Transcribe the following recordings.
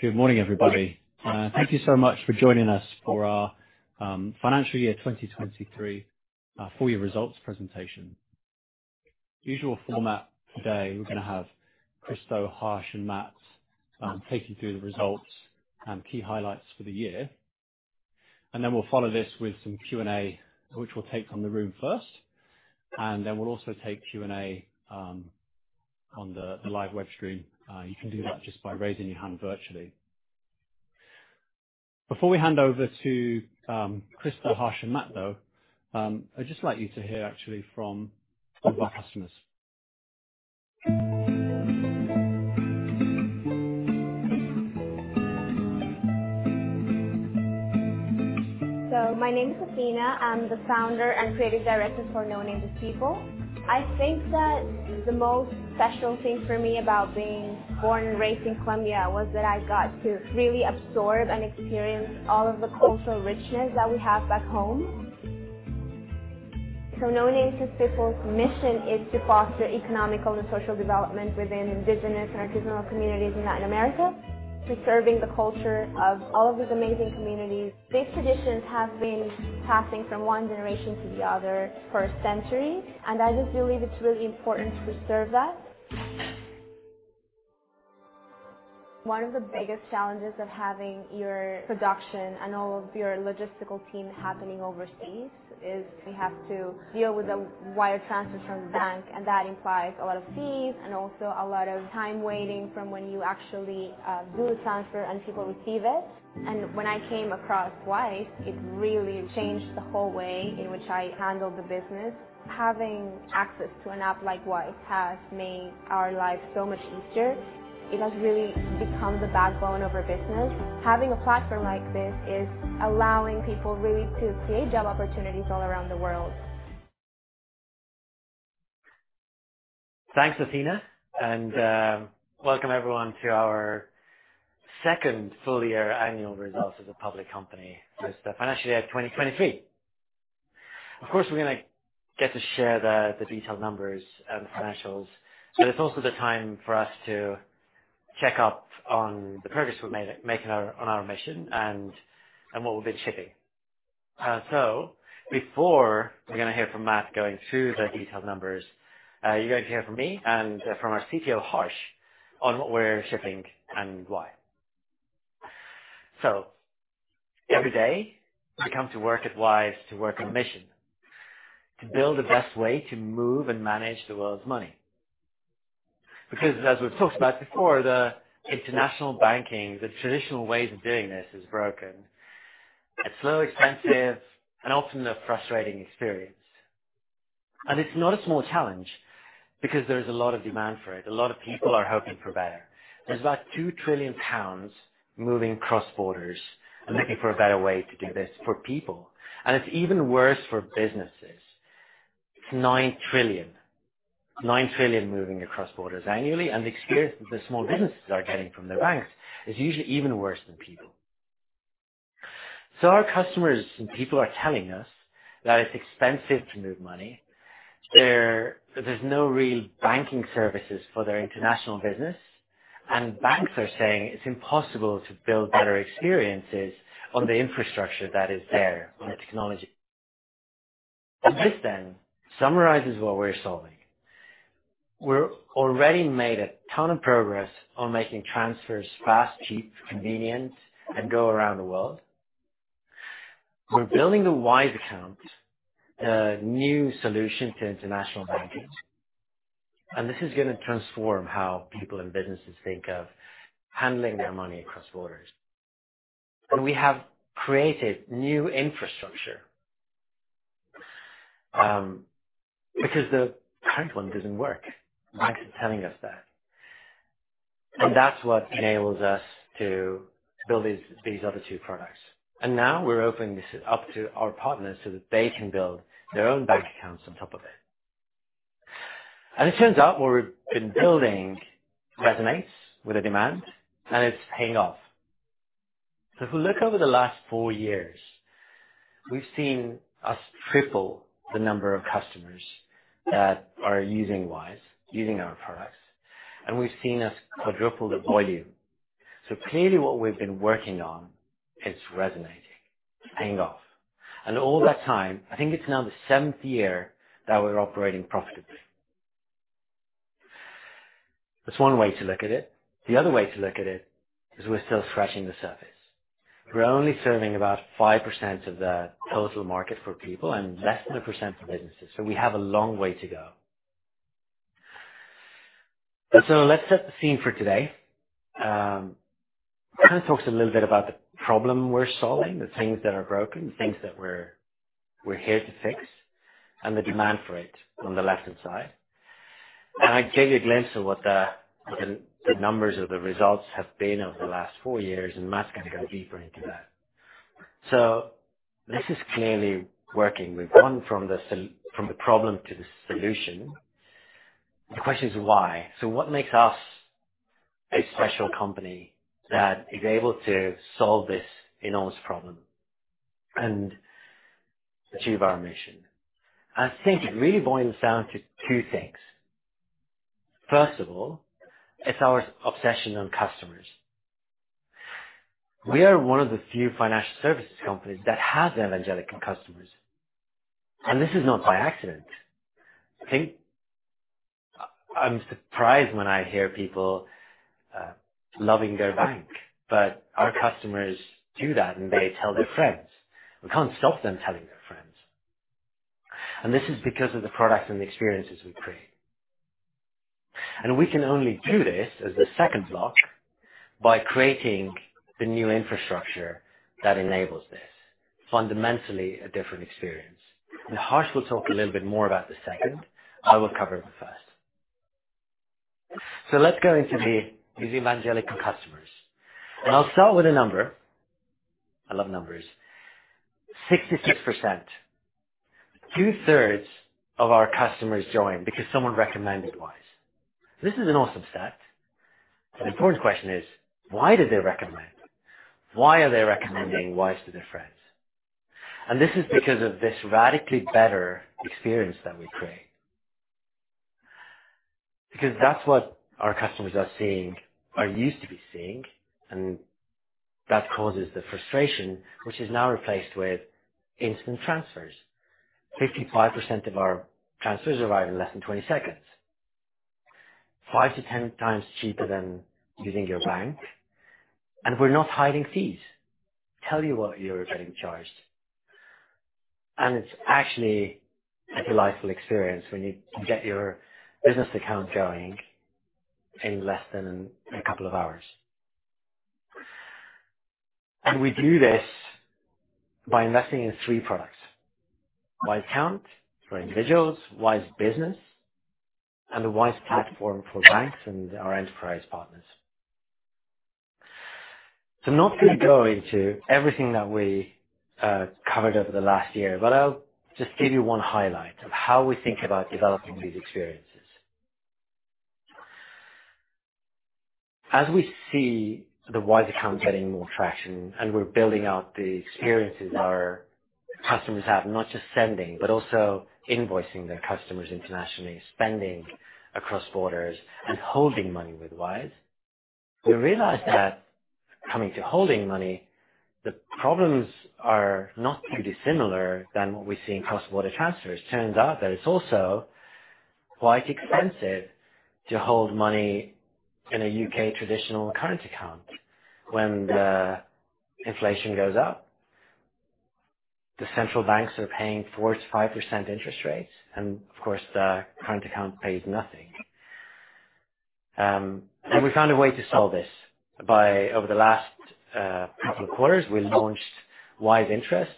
Good morning, everybody. Thank you so much for joining us for our financial year 2023 full year results presentation. Usual format today, we're going to have Kristo, Harsh, and Matt take you through the results and key highlights for the year. We'll follow this with some Q&A, which we'll take from the room first, then we'll also take Q&A on the live web screen. You can do that just by raising your hand virtually. Before we hand over to Kristo, Harsh, and Matt, though, I'd just like you to hear actually from one of our customers. My name is Athina. I'm the founder and creative director for No Name Just People. I think that the most special thing for me about being born and raised in Colombia was that I got to really absorb and experience all of the cultural richness that we have back home. No Name Just People's mission is to foster economical and social development within indigenous and artisanal communities in Latin America, preserving the culture of all of these amazing communities. These traditions have been passing from one generation to the other for centuries, and I just believe it's really important to preserve that. One of the biggest challenges of having your production and all of your logistical team happening overseas is we have to deal with a wire transfer from the bank, and that implies a lot of fees and also a lot of time waiting from when you actually do the transfer and people receive it. When I came across Wise, it really changed the whole way in which I handled the business. Having access to an app like Wise has made our lives so much easier. It has really become the backbone of our business. Having a platform like this is allowing people really to create job opportunities all around the world. Thanks, Athina, welcome everyone to our second full year annual results as a public company, for the financial year 2023. Of course, we're gonna get to share the detailed numbers and financials, but it's also the time for us to check up on the progress we've made, making on our mission and what we've been shipping. Before we're going to hear from Matt going through the detailed numbers, you're going to hear from me and from our CTO, Harsh, on what we're shipping and why. Every day, we come to work at Wise to work on mission, to build the best way to move and manage the world's money. Because as we've talked about before, the international banking, the traditional ways of doing this is broken. It's slow, expensive, and often a frustrating experience. It's not a small challenge because there's a lot of demand for it. A lot of people are hoping for better. There's about 2 trillion pounds moving cross borders and looking for a better way to do this for people, and it's even worse for businesses. It's 9 trillion. 9 trillion moving across borders annually, and the experience that the small businesses are getting from their banks is usually even worse than people. Our customers and people are telling us that it's expensive to move money. There's no real banking services for their international business, and banks are saying it's impossible to build better experiences on the infrastructure that is there on the technology. This then summarizes what we're solving. We're already made a ton of progress on making transfers fast, cheap, convenient, and go around the world. We're building the Wise Account, the new solution to international banking, this is going to transform how people in businesses think of handling their money across borders. We have created new infrastructure because the current one doesn't work. Banks are telling us that. That's what enables us to build these other two products. Now we're opening this up to our partners so that they can build their own bank accounts on top of it. It turns out, what we've been building resonates with the demand, and it's paying off. If you look over the last four years, we've seen us triple the number of customers that are using Wise, using our products, and we've seen us quadruple the volume. Clearly what we've been working on, it's resonating. It's paying off. All that time, I think it's now the seventh year that we're operating profitably. That's one way to look at it. The other way to look at it is we're still scratching the surface. We're only serving about 5% of the total market for people and less than 1% for businesses. We have a long way to go. Let's set the scene for today. kind of talks a little bit about the problem we're solving, the things that are broken, things that we're here to fix, and the demand for it on the left-hand side. I gave you a glimpse of what the numbers of the results have been over the last four years, and Matt's gonna go deeper into that. This is clearly working. We've gone from the problem to the solution. The question is why? What makes us a special company that is able to solve this enormous problem? Achieve our mission? I think it really boils down to two things. First of all, it's our obsession on customers. We are one of the few financial services companies that has evangelical customers. This is not by accident. I think. I'm surprised when I hear people loving their bank, but our customers do that. They tell their friends. We can't stop them telling their friends. This is because of the products and the experiences we create. We can only do this, as the second block, by creating the new infrastructure that enables this. Fundamentally, a different experience. Harsh will talk a little bit more about the second. I will cover the first. Let's go into these evangelical customers. I'll start with a number. I love numbers. 66%. 2/3 of our customers join because someone recommended Wise. This is an awesome stat, but the important question is: why did they recommend? Why are they recommending Wise to their friends? This is because of this radically better experience that we create. That's what our customers are seeing, are used to be seeing, and that causes the frustration, which is now replaced with instant transfers. 55% of our transfers arrive in less than 20 seconds. 5x-10x cheaper than using your bank, and we're not hiding fees. Tell you what you're getting charged. It's actually a delightful experience when you get your business account going in less than a couple of hours. We do this by investing in three products: Wise Account for individuals, Wise Business, and the Wise Platform for banks and our enterprise partners. I'm not going to go into everything that we covered over the last year, but I'll just give you one highlight of how we think about developing these experiences. As we see the Wise Account getting more traction, and we're building out the experiences our customers have, not just sending, but also invoicing their customers internationally, spending across borders and holding money with Wise, we realized that coming to holding money, the problems are not too dissimilar than what we see in cross-border transfers. Turns out that it's also quite expensive to hold money in a U.K. traditional current account. When the inflation goes up, the central banks are paying 4%-5% interest rates, and of course, the current account pays nothing. We found a way to solve this by over the last couple of quarters, we launched Wise Interest,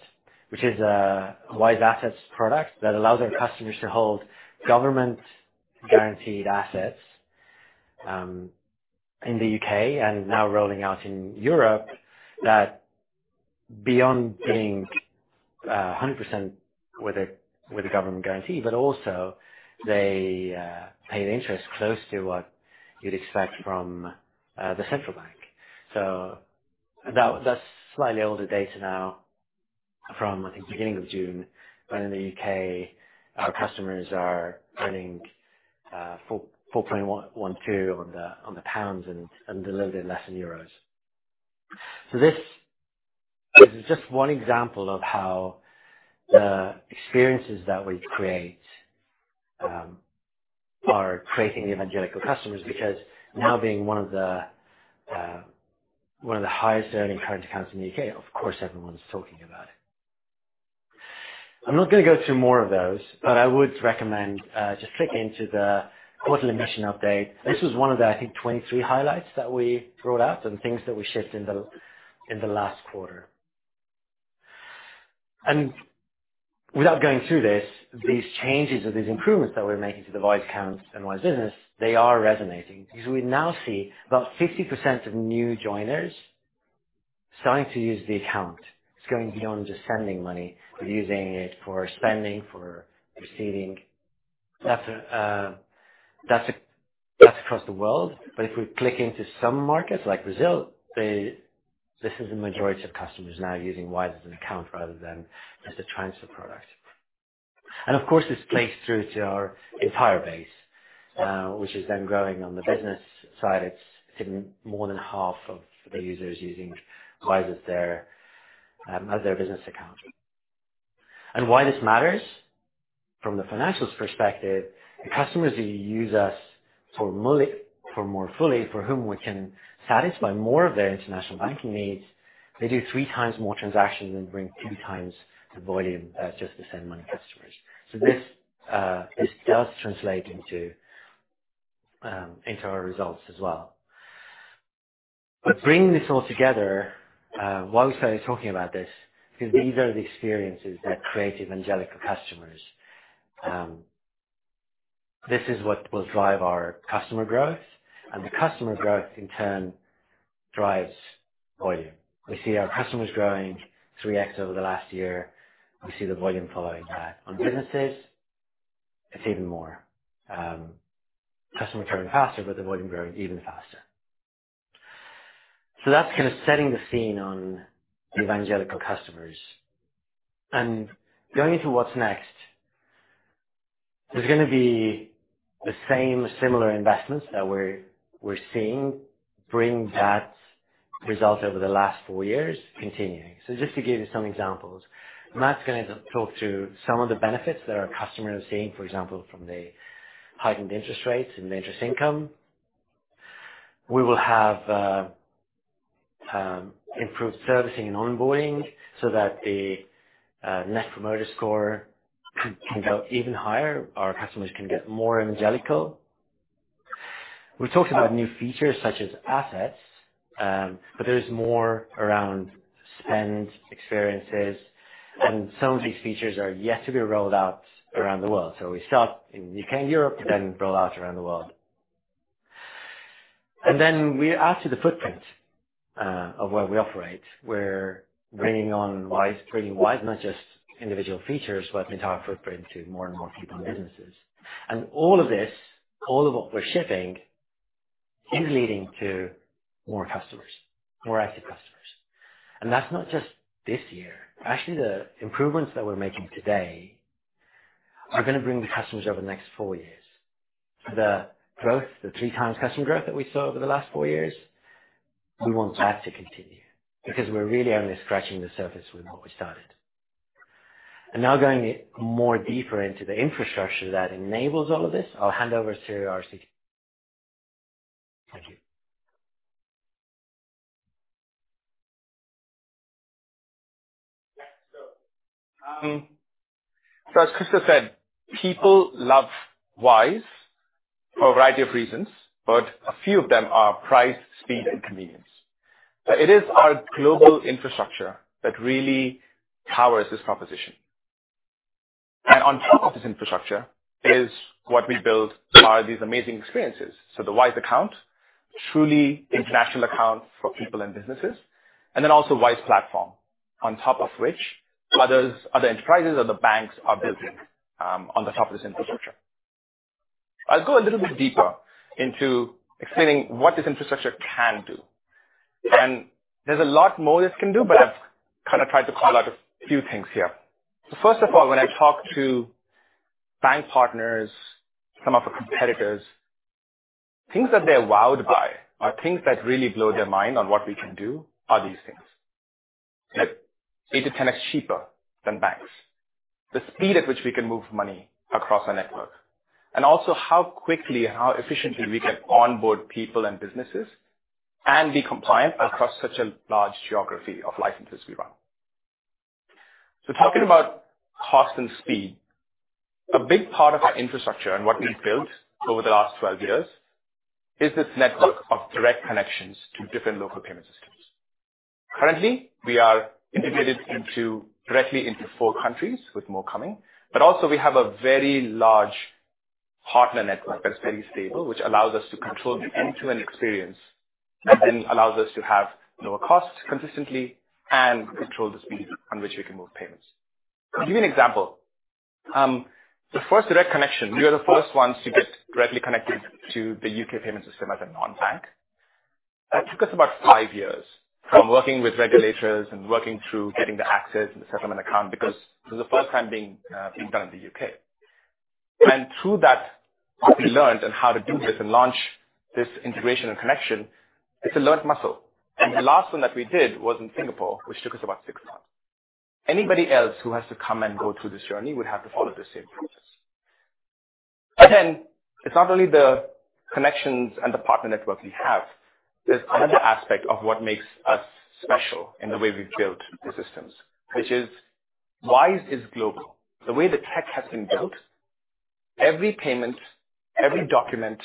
which is a Wise Assets product that allows our customers to hold government-guaranteed assets in the U.K. and now rolling out in Europe, that beyond being a 100% with a government guarantee, also they pay an interest close to what you'd expect from the central bank. That's slightly older data now from, I think, beginning of June, in the U.K., our customers are earning 4.112% on the pounds and a little bit less in euros. This is just one example of how the experiences that we create, are creating evangelical customers, because now being one of the highest earning current accounts in the U.K., of course, everyone's talking about it. I'm not going to go through more of those, but I would recommend just clicking into the quarterly mission update. This was one of the, I think, 23 highlights that we brought out and things that we shipped in the last quarter. Without going through this, these changes or these improvements that we're making to the Wise Account and Wise Business, they are resonating. We now see about 50% of new joiners starting to use the account. It's going beyond just sending money, but using it for spending, for receiving. That's across the world. If we click into some markets like Brazil, this is the majority of customers now using Wise as an account rather than just a transfer product. Of course, this plays through to our entire base, which is then growing on the business side. It's getting more than half of the users using Wise as their business account. Why this matters from the financials perspective, the customers who use us for more fully, for whom we can satisfy more of their international banking needs, they do 3x more transactions and bring 2x the volume just to send money customers. This does translate into our results as well. Bringing this all together, while we started talking about this, because these are the experiences that create evangelical customers, this is what will drive our customer growth, and the customer growth in turn drives volume. We see our customers growing 3x over the last year. We see the volume following that. On businesses, it's even more. Customers turning faster, but the volume growing even faster. That's kind of setting the scene on the evangelical customers. Going into what's next, there's going to be the same similar investments that we're seeing bring that result over the last four years continuing. Just to give you some examples, Matt's going to talk through some of the benefits that our customers are seeing, for example, from the heightened interest rates and interest income. We will have improved servicing and onboarding so that the Net Promoter Score can go even higher. Our customers can get more evangelical. We've talked about new features such as Assets, but there's more around spend, experiences, and some of these features are yet to be rolled out around the world. We start in the U.K. and Europe, then roll out around the world. We add to the footprint of where we operate. We're bringing Wise, not just individual features, but the entire footprint to more and more people and businesses. All of this, all of what we're shipping, is leading to more customers, more active customers. That's not just this year. Actually, the improvements that we're making today are going to bring the customers over the next four years. The growth, the 3x customer growth that we saw over the last four years, we want that to continue because we're really only scratching the surface with what we started. Now going more deeper into the infrastructure that enables all of this, I'll hand over to Harsh. Thank you. As Kristo said, people love Wise for a variety of reasons, but a few of them are price, speed, and convenience. It is our global infrastructure that really powers this proposition. On top of this infrastructure is what we build are these amazing experiences. The Wise Account, truly international account for people and businesses. Also Wise Platform, on top of which others, other enterprises or the banks are building on top of this infrastructure. I'll go a little bit deeper into explaining what this infrastructure can do. There's a lot more this can do, but I've kind of tried to call out a few things here. First of all, when I talk to bank partners, some of our competitors, things that they're wowed by or things that really blow their mind on what we can do are these things. That 8x-10x cheaper than banks. Also how quickly and how efficiently we can onboard people and businesses and be compliant across such a large geography of licenses we run. Talking about cost and speed, a big part of our infrastructure and what we've built over the last 12 years is this network of direct connections to different local payment systems. Currently, we are integrated into, directly into four countries, with more coming. Also we have a very large partner network that's very stable, which allows us to control the end-to-end experience and allows us to have lower costs consistently and control the speed on which we can move payments. To give you an example, the first direct connection, we are the first ones to get directly connected to the U.K. payment system as a non-bank. That took us about five years from working with regulators and working through getting the access and the settlement account, because this is the first time being done in the U.K. Through that, what we learned on how to do this and launch this integration and connection, it's a learned muscle. The last one that we did was in Singapore, which took us about six months. Anybody else who has to come and go through this journey would have to follow the same process. It's not only the connections and the partner networks we have, there's another aspect of what makes us special in the way we've built the systems, which is Wise is global. The way the tech has been built, every payment, every document,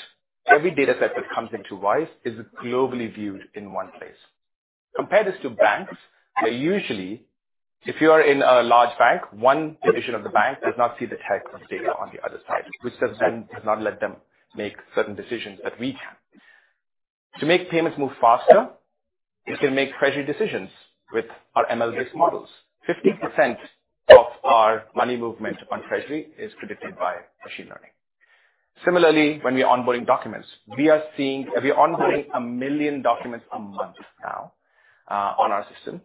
every data set that comes into Wise is globally viewed in one place. Compare this to banks, where usually if you are in a large bank, one division of the bank does not see the type of data on the other side, which does not let them make certain decisions that we can. To make payments move faster, we can make treasury decisions with our ML-based models. 50% of our money movement on treasury is predicted by machine learning. Similarly, when we are onboarding documents, we are onboarding 1 million documents a month now on our system.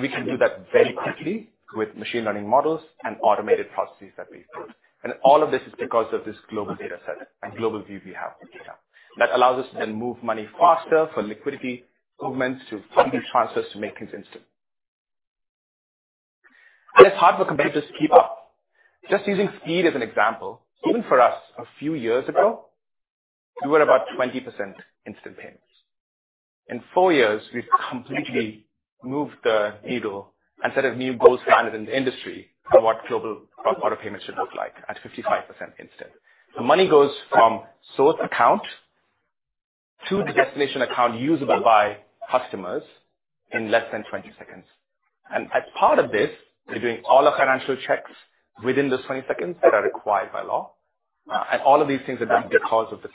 We can do that very quickly with machine learning models and automated processes that we've built. All of this is because of this global data set and global view we have of data, that allows us to then move money faster for liquidity movements, to fund these transfers, to make things instant. It's hard for competitors to keep up. Just using speed as an example, even for us, a few years ago, we were about 20% instant payments. In four years, we've completely moved the needle and set a new gold standard in the industry on what global border payments should look like at 55% instant. The money goes from source account to the destination account usable by customers in less than 20 seconds. As part of this, we're doing all our financial checks within those 20 seconds that are required by law. All of these things are done because of the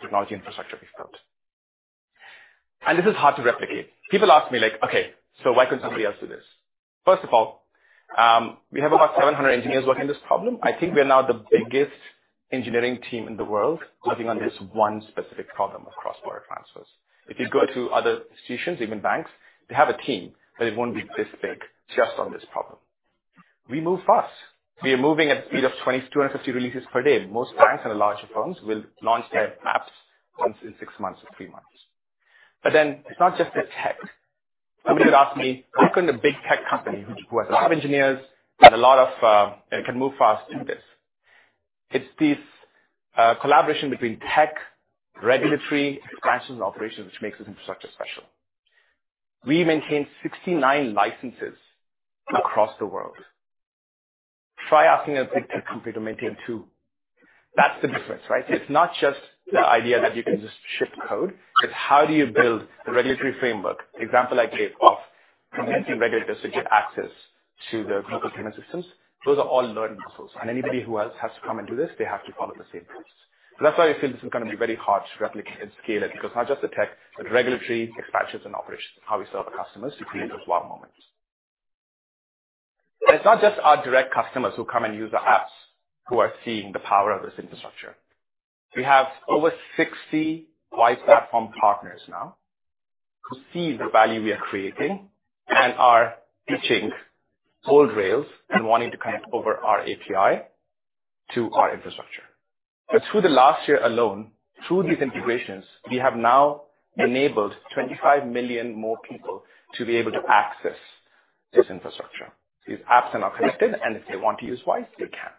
technology infrastructure we've built. This is hard to replicate. People ask me like, "Okay, why couldn't somebody else do this?" We have about 700 engineers working this problem. I think we are now the biggest engineering team in the world working on this one specific problem of cross-border transfers. If you go to other institutions, even banks, they have a team, but it won't be this big just on this problem. We move fast. We are moving at a speed of 2,250 releases per day. Most banks and the larger firms will launch their apps once in six months or three months. It's not just the tech. Somebody had asked me, how can a big tech company, who has a lot of engineers and a lot of... And can move fast, do this? It's this collaboration between tech, regulatory, expansions, and operations, which makes this infrastructure special. We maintain 69 licenses across the world. Try asking a big tech company to maintain two. That's the difference, right? It's not just the idea that you can just ship code. It's how do you build the regulatory framework? Example I gave of convincing regulators to get access to the local payment systems, those are all learning muscles, and anybody who else has to come and do this, they have to follow the same rules. That's why I feel this is going to be very hard to replicate and scale it, because it's not just the tech, but regulatory, expansions, and operations, how we serve our customers to create those wow moments. It's not just our direct customers who come and use our apps who are seeing the power of this infrastructure. We have over 60 Wise Platform partners now, who see the value we are creating and are ditching old rails and wanting to connect over our API to our infrastructure. Through the last year alone, through these integrations, we have now enabled 25 million more people to be able to access this infrastructure. These apps are now connected, and if they want to use Wise, they can.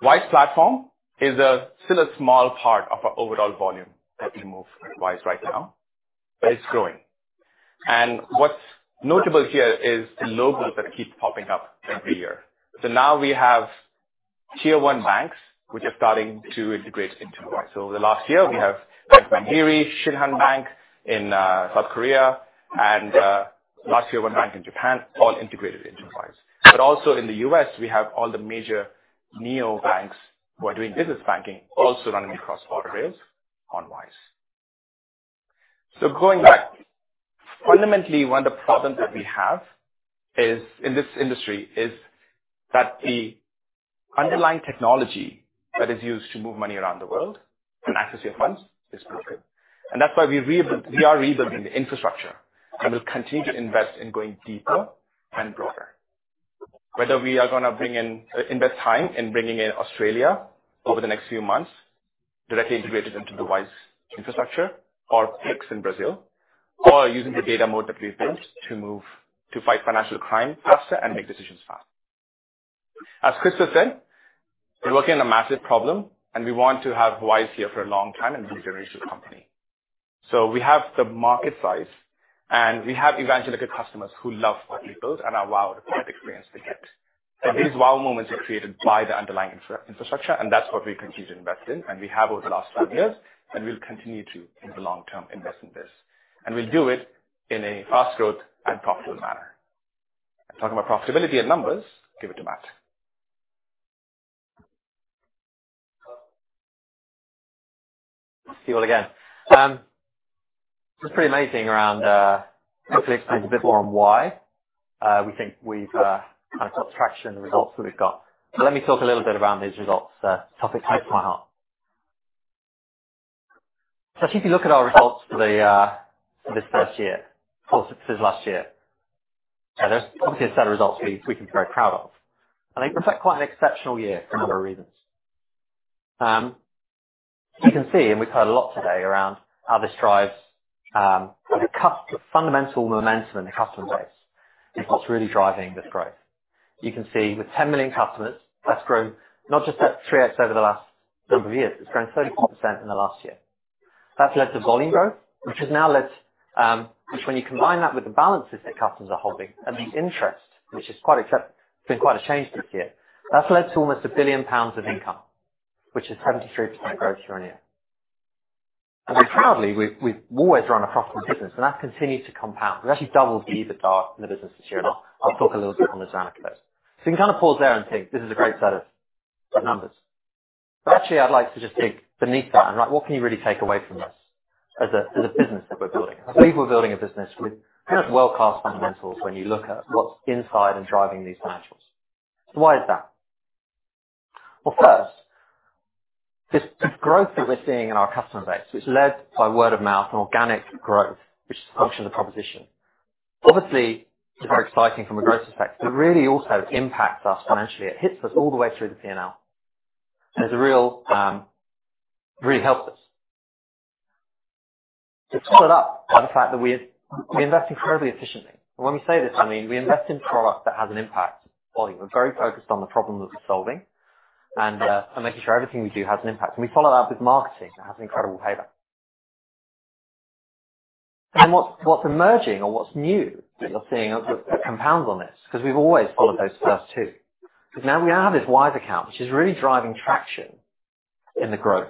Wise Platform is a still a small part of our overall volume that we move Wise right now, but it's growing. What's notable here is the logos that keep popping up every year. Now we have tier one banks, which are starting to integrate into Wise. Over the last year, we have Bank Mandiri, Shinhan Bank in South Korea, and last year, one bank in Japan, all integrated into Wise. Also in the U.S., we have all the major neobanks who are doing business banking, also running across border rails on Wise. Going back, fundamentally, one of the problems that we have is, in this industry, is that the underlying technology that is used to move money around the world and access your funds is pretty good. That's why we are rebuilding the infrastructure, and we'll continue to invest in going deeper and broader. Whether we are gonna invest time in bringing in Australia over the next few months, directly integrated into the Wise infrastructure or Pix in Brazil, or using the data more that we've built To fight financial crime faster and make decisions fast. As Kristo said, we're working on a massive problem, and we want to have Wise here for a long time and be a generational company. We have the market size, and we have evangelical customers who love what we built and are wowed by the experience they get. These wow moments are created by the underlying infrastructure, and that's what we continue to invest in, and we have over the last five years, and we'll continue to, in the long term, invest in this. We'll do it in a fast growth and profitable manner. Talking about profitability and numbers, give it to Matt. See you all again. It's pretty amazing around, hopefully explain a bit more on why we think we've kind of got traction, the results that we've got. Let me talk a little bit around these results, topic close to my heart. If you look at our results for the for this first year, for this last year, there's obviously a set of results we can be very proud of. I think it's quite an exceptional year for a number of reasons. You can see, and we've heard a lot today around how this drives the fundamental momentum in the customer base. It's what's really driving this growth. You can see with 10 million customers, that's grown not just at 3x over the last number of years, it's grown 34% in the last year. That's led to volume growth, which has now led, which when you combine that with the balances that customers are holding and the interest, which is quite it's been quite a change this year. That's led to almost 1 billion pounds of income, which is 73% growth year-on-year. Proudly, we've always run a profitable business, and that continues to compound. We actually doubled the EBITDA in the business this year, and I'll talk a little bit on the dynamic of it. You can kind of pause there and think this is a great set of numbers. Actually, I'd like to just dig beneath that and like, what can you really take away from this as a business that we're building? I believe we're building a business with kind of world-class fundamentals when you look at what's inside and driving these financials. Why is that? Well, first, this growth that we're seeing in our customer base, which is led by word of mouth and organic growth, which is a function of the proposition. Obviously, it's very exciting from a growth perspective. It really also impacts us financially. It hits us all the way through the P&L. It really helps us. It's followed up by the fact that we invest incredibly efficiently. When we say this, I mean, we invest in product that has an impact volume. We're very focused on the problem that we're solving and making sure everything we do has an impact. We follow that with marketing and have an incredible payback. What's, what's emerging or what's new, that you're seeing that compounds on this, because we've always followed those first two. Now we have this Wise Account, which is really driving traction in the growth,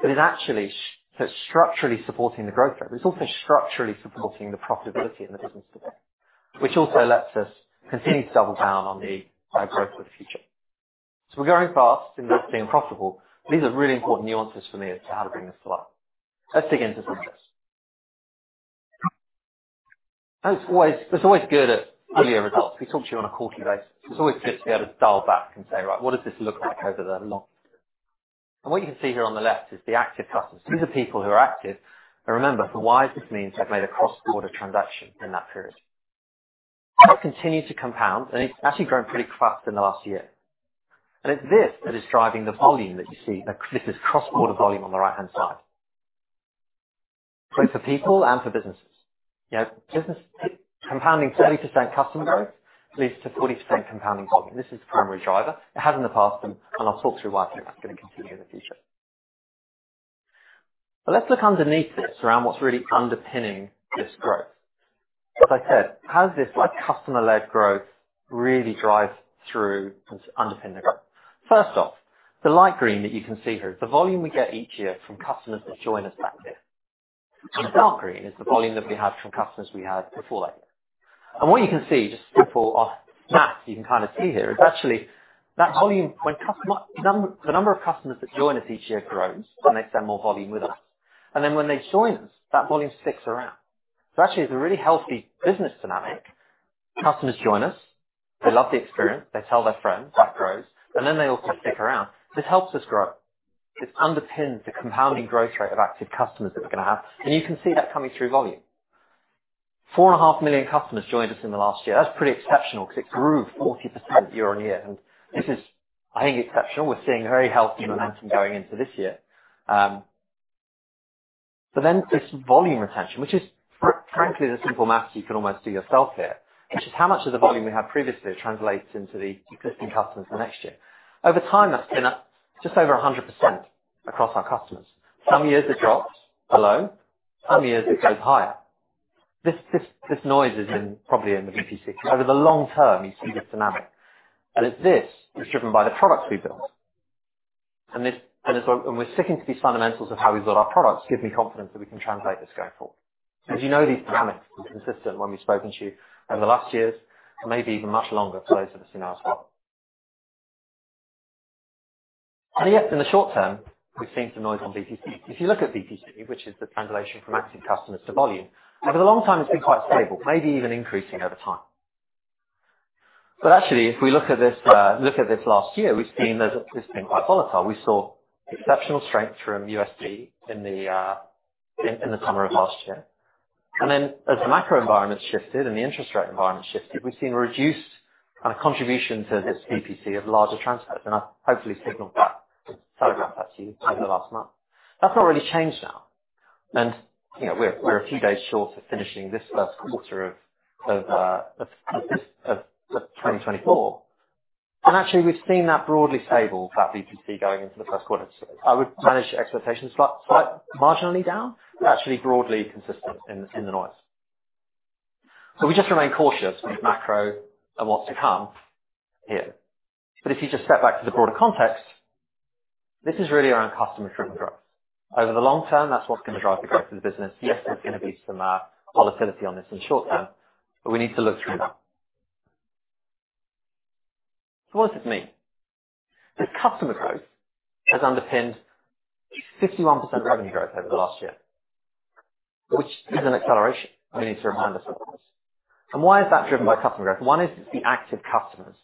but it actually so it's structurally supporting the growth rate. It's also structurally supporting the profitability in the business today, which also lets us continue to double down on the high growth of the future. We're growing fast, investing, and profitable. These are really important nuances for me as to how to bring this to life. Let's dig into some of this. As always, it's always good at earlier results. We talk to you on a quarterly basis. It's always good to be able to dial back and say: Right, what does this look like over the long term? What you can see here on the left is the active customers. These are people who are active, but remember, for Wise, this means they've made a cross-border transaction in that period. That continues to compound, it's actually grown pretty fast in the last year. It's this that is driving the volume that you see. This is cross-border volume on the right-hand side, both for people and for businesses. You know, business compounding 40% customer growth leads to 40% compounding volume. This is the primary driver. It has in the past, and I'll talk through why I think that's going to continue in the future. Let's look underneath this, around what's really underpinning this growth. As I said, how does this customer-led growth really drive through and underpin the growth? First off, the light green that you can see here, the volume we get each year from customers that join us that year. The dark green is the volume that we have from customers we had before that. What you can see, just simple off math, you can kind of see here, is actually that volume, when the number of customers that join us each year grows and they send more volume with us. When they join us, that volume sticks around. Actually, it's a really healthy business dynamic. Customers join us, they love the experience, they tell their friends, that grows, and then they also stick around. This helps us grow. This underpins the compounding growth rate of active customers that we're going to have, and you can see that coming through volume. Four and a half million customers joined us in the last year. That's pretty exceptional because it grew 40% year-over-year, and this is, I think, exceptional. We're seeing very healthy momentum going into this year. This volume retention, which is frankly, the simple math you can almost do yourself here, which is how much of the volume we had previously translates into the existing customers for next year. Over time, that's been at just over 100% across our customers. Some years it drops below, some years it goes higher. This noise is in, probably in the VPC. Over the long term, you see this dynamic, and it's this that's driven by the products we've built. As we're sticking to these fundamentals of how we build our products, gives me confidence that we can translate this going forward. As you know, these dynamics are consistent when we've spoken to you over the last years, maybe even much longer for those of us in our spot. Yes, in the short term, we've seen some noise on VPC. If you look at VPC, which is the translation from active customers to volume, over the long term, it's been quite stable, maybe even increasing over time. Actually, if we look at this, look at this last year, we've seen that it's been quite volatile. We saw exceptional strength from USD in the summer of last year. As the macro environment shifted and the interest rate environment shifted, we've seen a reduced contribution to this VPC of larger transfers. I've hopefully signaled that, telegraphed that to you over the last month. That's not really changed now. You know, we're a few days short of finishing this first quarter of 2024. Actually, we've seen that broadly stable, that VPC, going into the first quarter. I would manage expectations slight, marginally down, but actually broadly consistent in the noise. We just remain cautious with macro and what's to come here. If you just step back to the broader context, this is really around customer-driven growth. Over the long term, that's what's going to drive the growth of the business. Yes, there's going to be some volatility on this in the short term, but we need to look through that. What does this mean? This customer growth has underpinned 51% revenue growth over the last year, which is an acceleration, we need to remind ourselves. Why is that driven by customer growth? One is the active customers,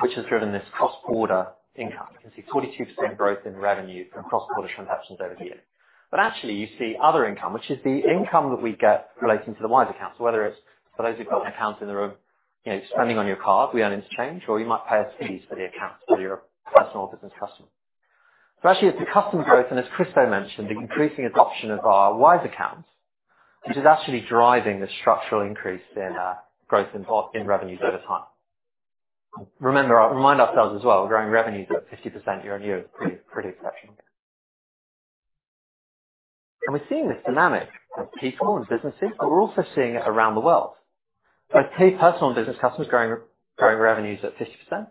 which has driven this cross-border income. You can see 42% growth in revenue from cross-border transactions over the year. Actually, you see other income, which is the income that we get relating to the Wise Accounts, whether it's for those who've got an account and they're, you know, spending on your card, we earn exchange, or you might pay us fees for the account, for your personal business customer. Actually, it's the customer growth, and as Kristo mentioned, the increasing adoption of our Wise Accounts, which is actually driving the structural increase in growth in revenues over time. Remember, remind ourselves as well, growing revenues at 50% year-on-year is pretty exceptional. We're seeing this dynamic of people and businesses, but we're also seeing it around the world. Both pay personal and business customers growing revenues at 50%.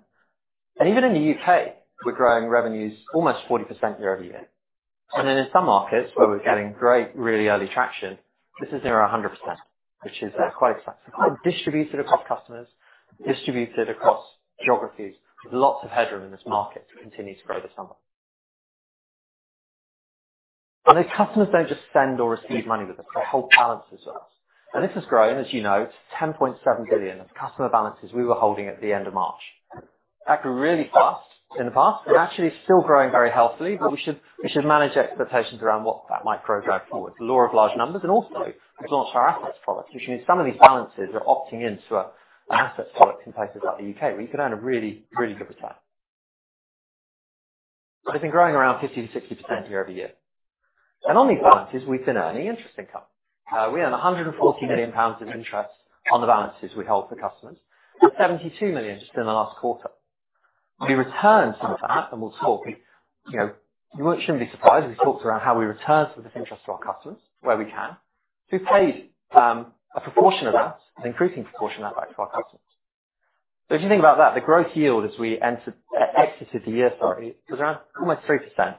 Even in the U.K., we're growing revenues almost 40% year-over-year. In some markets where we're getting great, really early traction, this is near 100%, which is quite impressive. Distributed across customers, distributed across geographies. Lots of headroom in this market to continue to grow the sum. The customers don't just send or receive money with us, they hold balances with us. This has grown, as you know, to 10.7 billion of customer balances we were holding at the end of March. That grew really fast in the past, and actually still growing very healthily, but we should manage expectations around what that might grow going forward. The law of large numbers, and also the launch of our Assets product, which means some of these balances are opting into an Assets product in places like the U.K., where you could earn a really, really good return. It's been growing around 50%-60% year-over-year. On these balances, we've been earning interest income. We earn 140 million pounds in interest on the balances we hold for customers, and 72 million just in the last quarter. We returned some of that. You know, you shouldn't be surprised if we talked around how we return some of this interest to our customers, where we can. We've paid a proportion of that, an increasing proportion of that back to our customers. If you think about that, the growth yield as we entered, exited the year, sorry, was around almost 3%.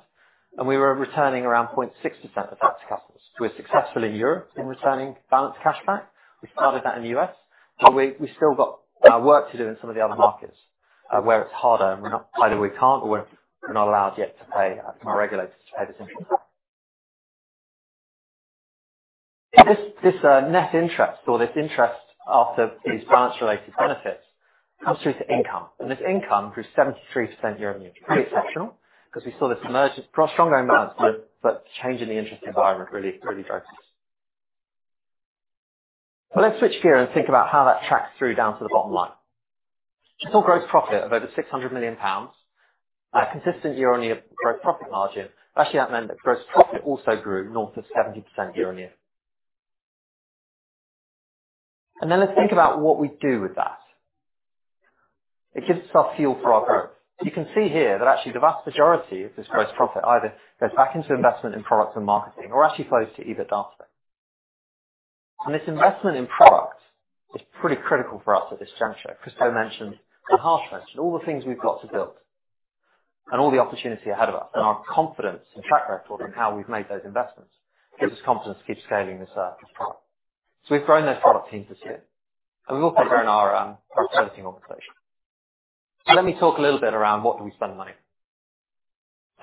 We were returning around 0.6% of that to customers. We're successful in Europe in returning balance cashback. We started that in the U.S., we've still got work to do in some of the other markets, where it's harder and we're not, either we can't or we're not allowed yet to pay our regulators to pay this interest. This net interest or this interest after these balance-related benefits comes through to income, this income grew 73% year-on-year. Pretty exceptional, because we saw this emergence for a stronger amount, change in the interest environment really drives us. Let's switch gear and think about how that tracks through down to the bottom line. Gross profit of over 600 million pounds, consistent year-on-year growth profit margin. Actually, that meant that gross profit also grew north of 70% year-on-year. Let's think about what we do with that. It gives us our fuel for our growth. You can see here that actually the vast majority of this gross profit either goes back into investment in products and marketing or actually flows to EBITDA. This investment in product is pretty critical for us at this juncture. Kristo mentioned, Harsh mentioned all the things we've got to build and all the opportunity ahead of us, our confidence and track record in how we've made those investments, gives us confidence to keep scaling this up. We've grown those product teams this year, and we've also grown our productivity organization. Let me talk a little bit around what do we spend the money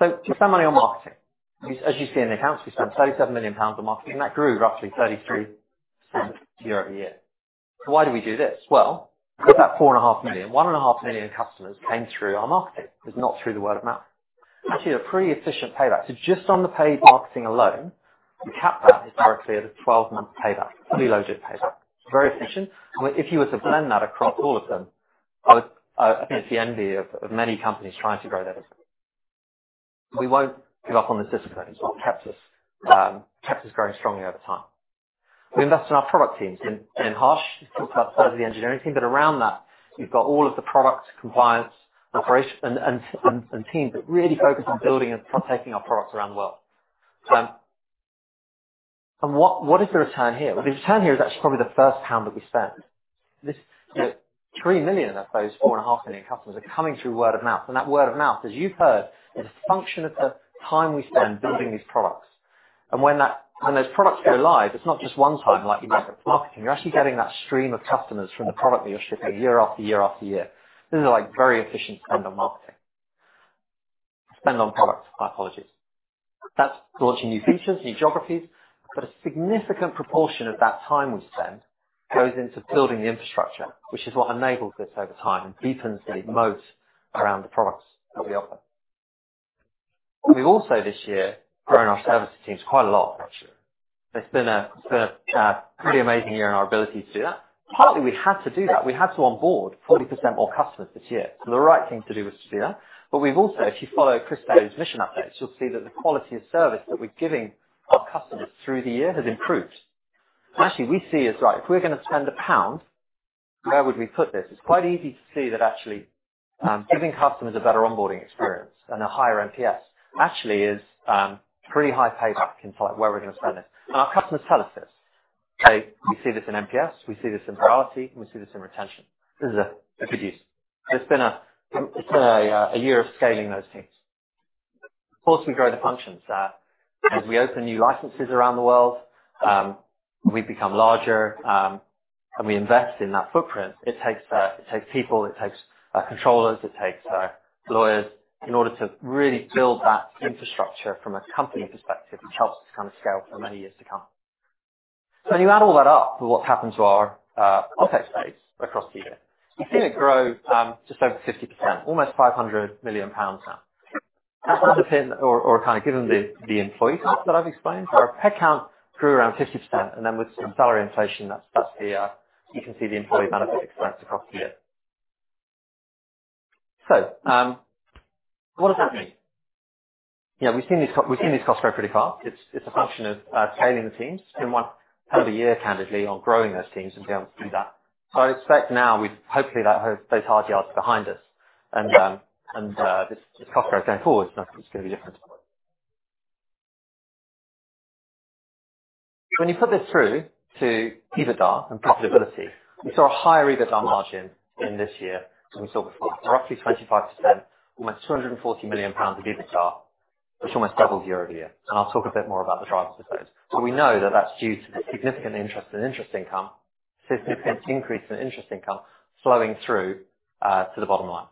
on. We spend money on marketing. As you see in the accounts, we spent 37 million pounds on marketing, that grew roughly 33% year-over-year. Why do we do this? Well, of that four and a half million, one and a half million customers came through our marketing. It's not through the word of mouth. Actually, a pretty efficient payback. Just on the paid marketing alone, we cap that historically at a 12-month payback, fully loaded payback. Very efficient. If you were to blend that across all of them, I think it's the envy of many companies trying to grow their business. We won't give up on the discipline that's helped us, kept us growing strongly over time. We invest in our product teams, and Harsh talked about the size of the engineering team, but around that, we've got all of the product compliance, operation, and teams that really focus on building and protecting our products around the world. What is the return here? Well, the return here is actually probably the first pound that we spend. 3 million of those 4.5 million customers are coming through word of mouth. That word of mouth, as you've heard, is a function of the time we spend building these products. When those products go live, it's not just one time, like you might think marketing, you're actually getting that stream of customers from the product that you're shipping year after year after year. This is, like, very efficient spend on marketing. Spend on product, my apologies. That's launching new features, new geographies, but a significant proportion of that time we spend goes into building the infrastructure, which is what enables this over time and deepens the moat around the products that we offer. We've also, this year, grown our services teams quite a lot actually. It's been a pretty amazing year in our ability to do that. Partly, we had to do that. We had to onboard 40% more customers this year. The right thing to do was to do that. We've also, if you follow Kristo's mission updates, you'll see that the quality of service that we're giving our customers through the year has improved. Actually, we see it as like, if we're going to spend GBP 1, where would we put this? It's quite easy to see that actually, giving customers a better onboarding experience and a higher NPS, actually is pretty high payback in terms like where we're going to spend this. Our customers tell us this. We see this in NPS, we see this in priority, and we see this in retention. This is a good use. It's been a year of scaling those teams. Of course, we grow the functions. As we open new licenses around the world, we become larger, and we invest in that footprint. It takes people, it takes controllers, it takes lawyers, in order to really build that infrastructure from a company perspective, which helps us kind of scale for many years to come. When you add all that up to what's happened to our context base across the year, you see it grow just over 50%, almost 500 million pounds now. That's kind of been or kind of given the employee count that I've explained, our headcount grew around 50%, and then with some salary inflation, that's the you can see the employee benefit expense across the year. What does that mean? Yeah, we've seen these costs grow pretty fast. It's a function of scaling the teams. It's been one hell of a year, candidly, on growing those teams and be able to do that. I expect now hopefully that, those hard yards are behind us and this cost going forward is not going to be different. When you put this through to EBITDA and profitability, we saw a higher EBITDA margin in this year than we saw before. Roughly 25%, almost 240 million pounds of EBITDA, which almost doubled year-over-year. I'll talk a bit more about the drivers of those. We know that that's due to the significant interest in interest income, significant increase in interest income flowing through to the bottom line.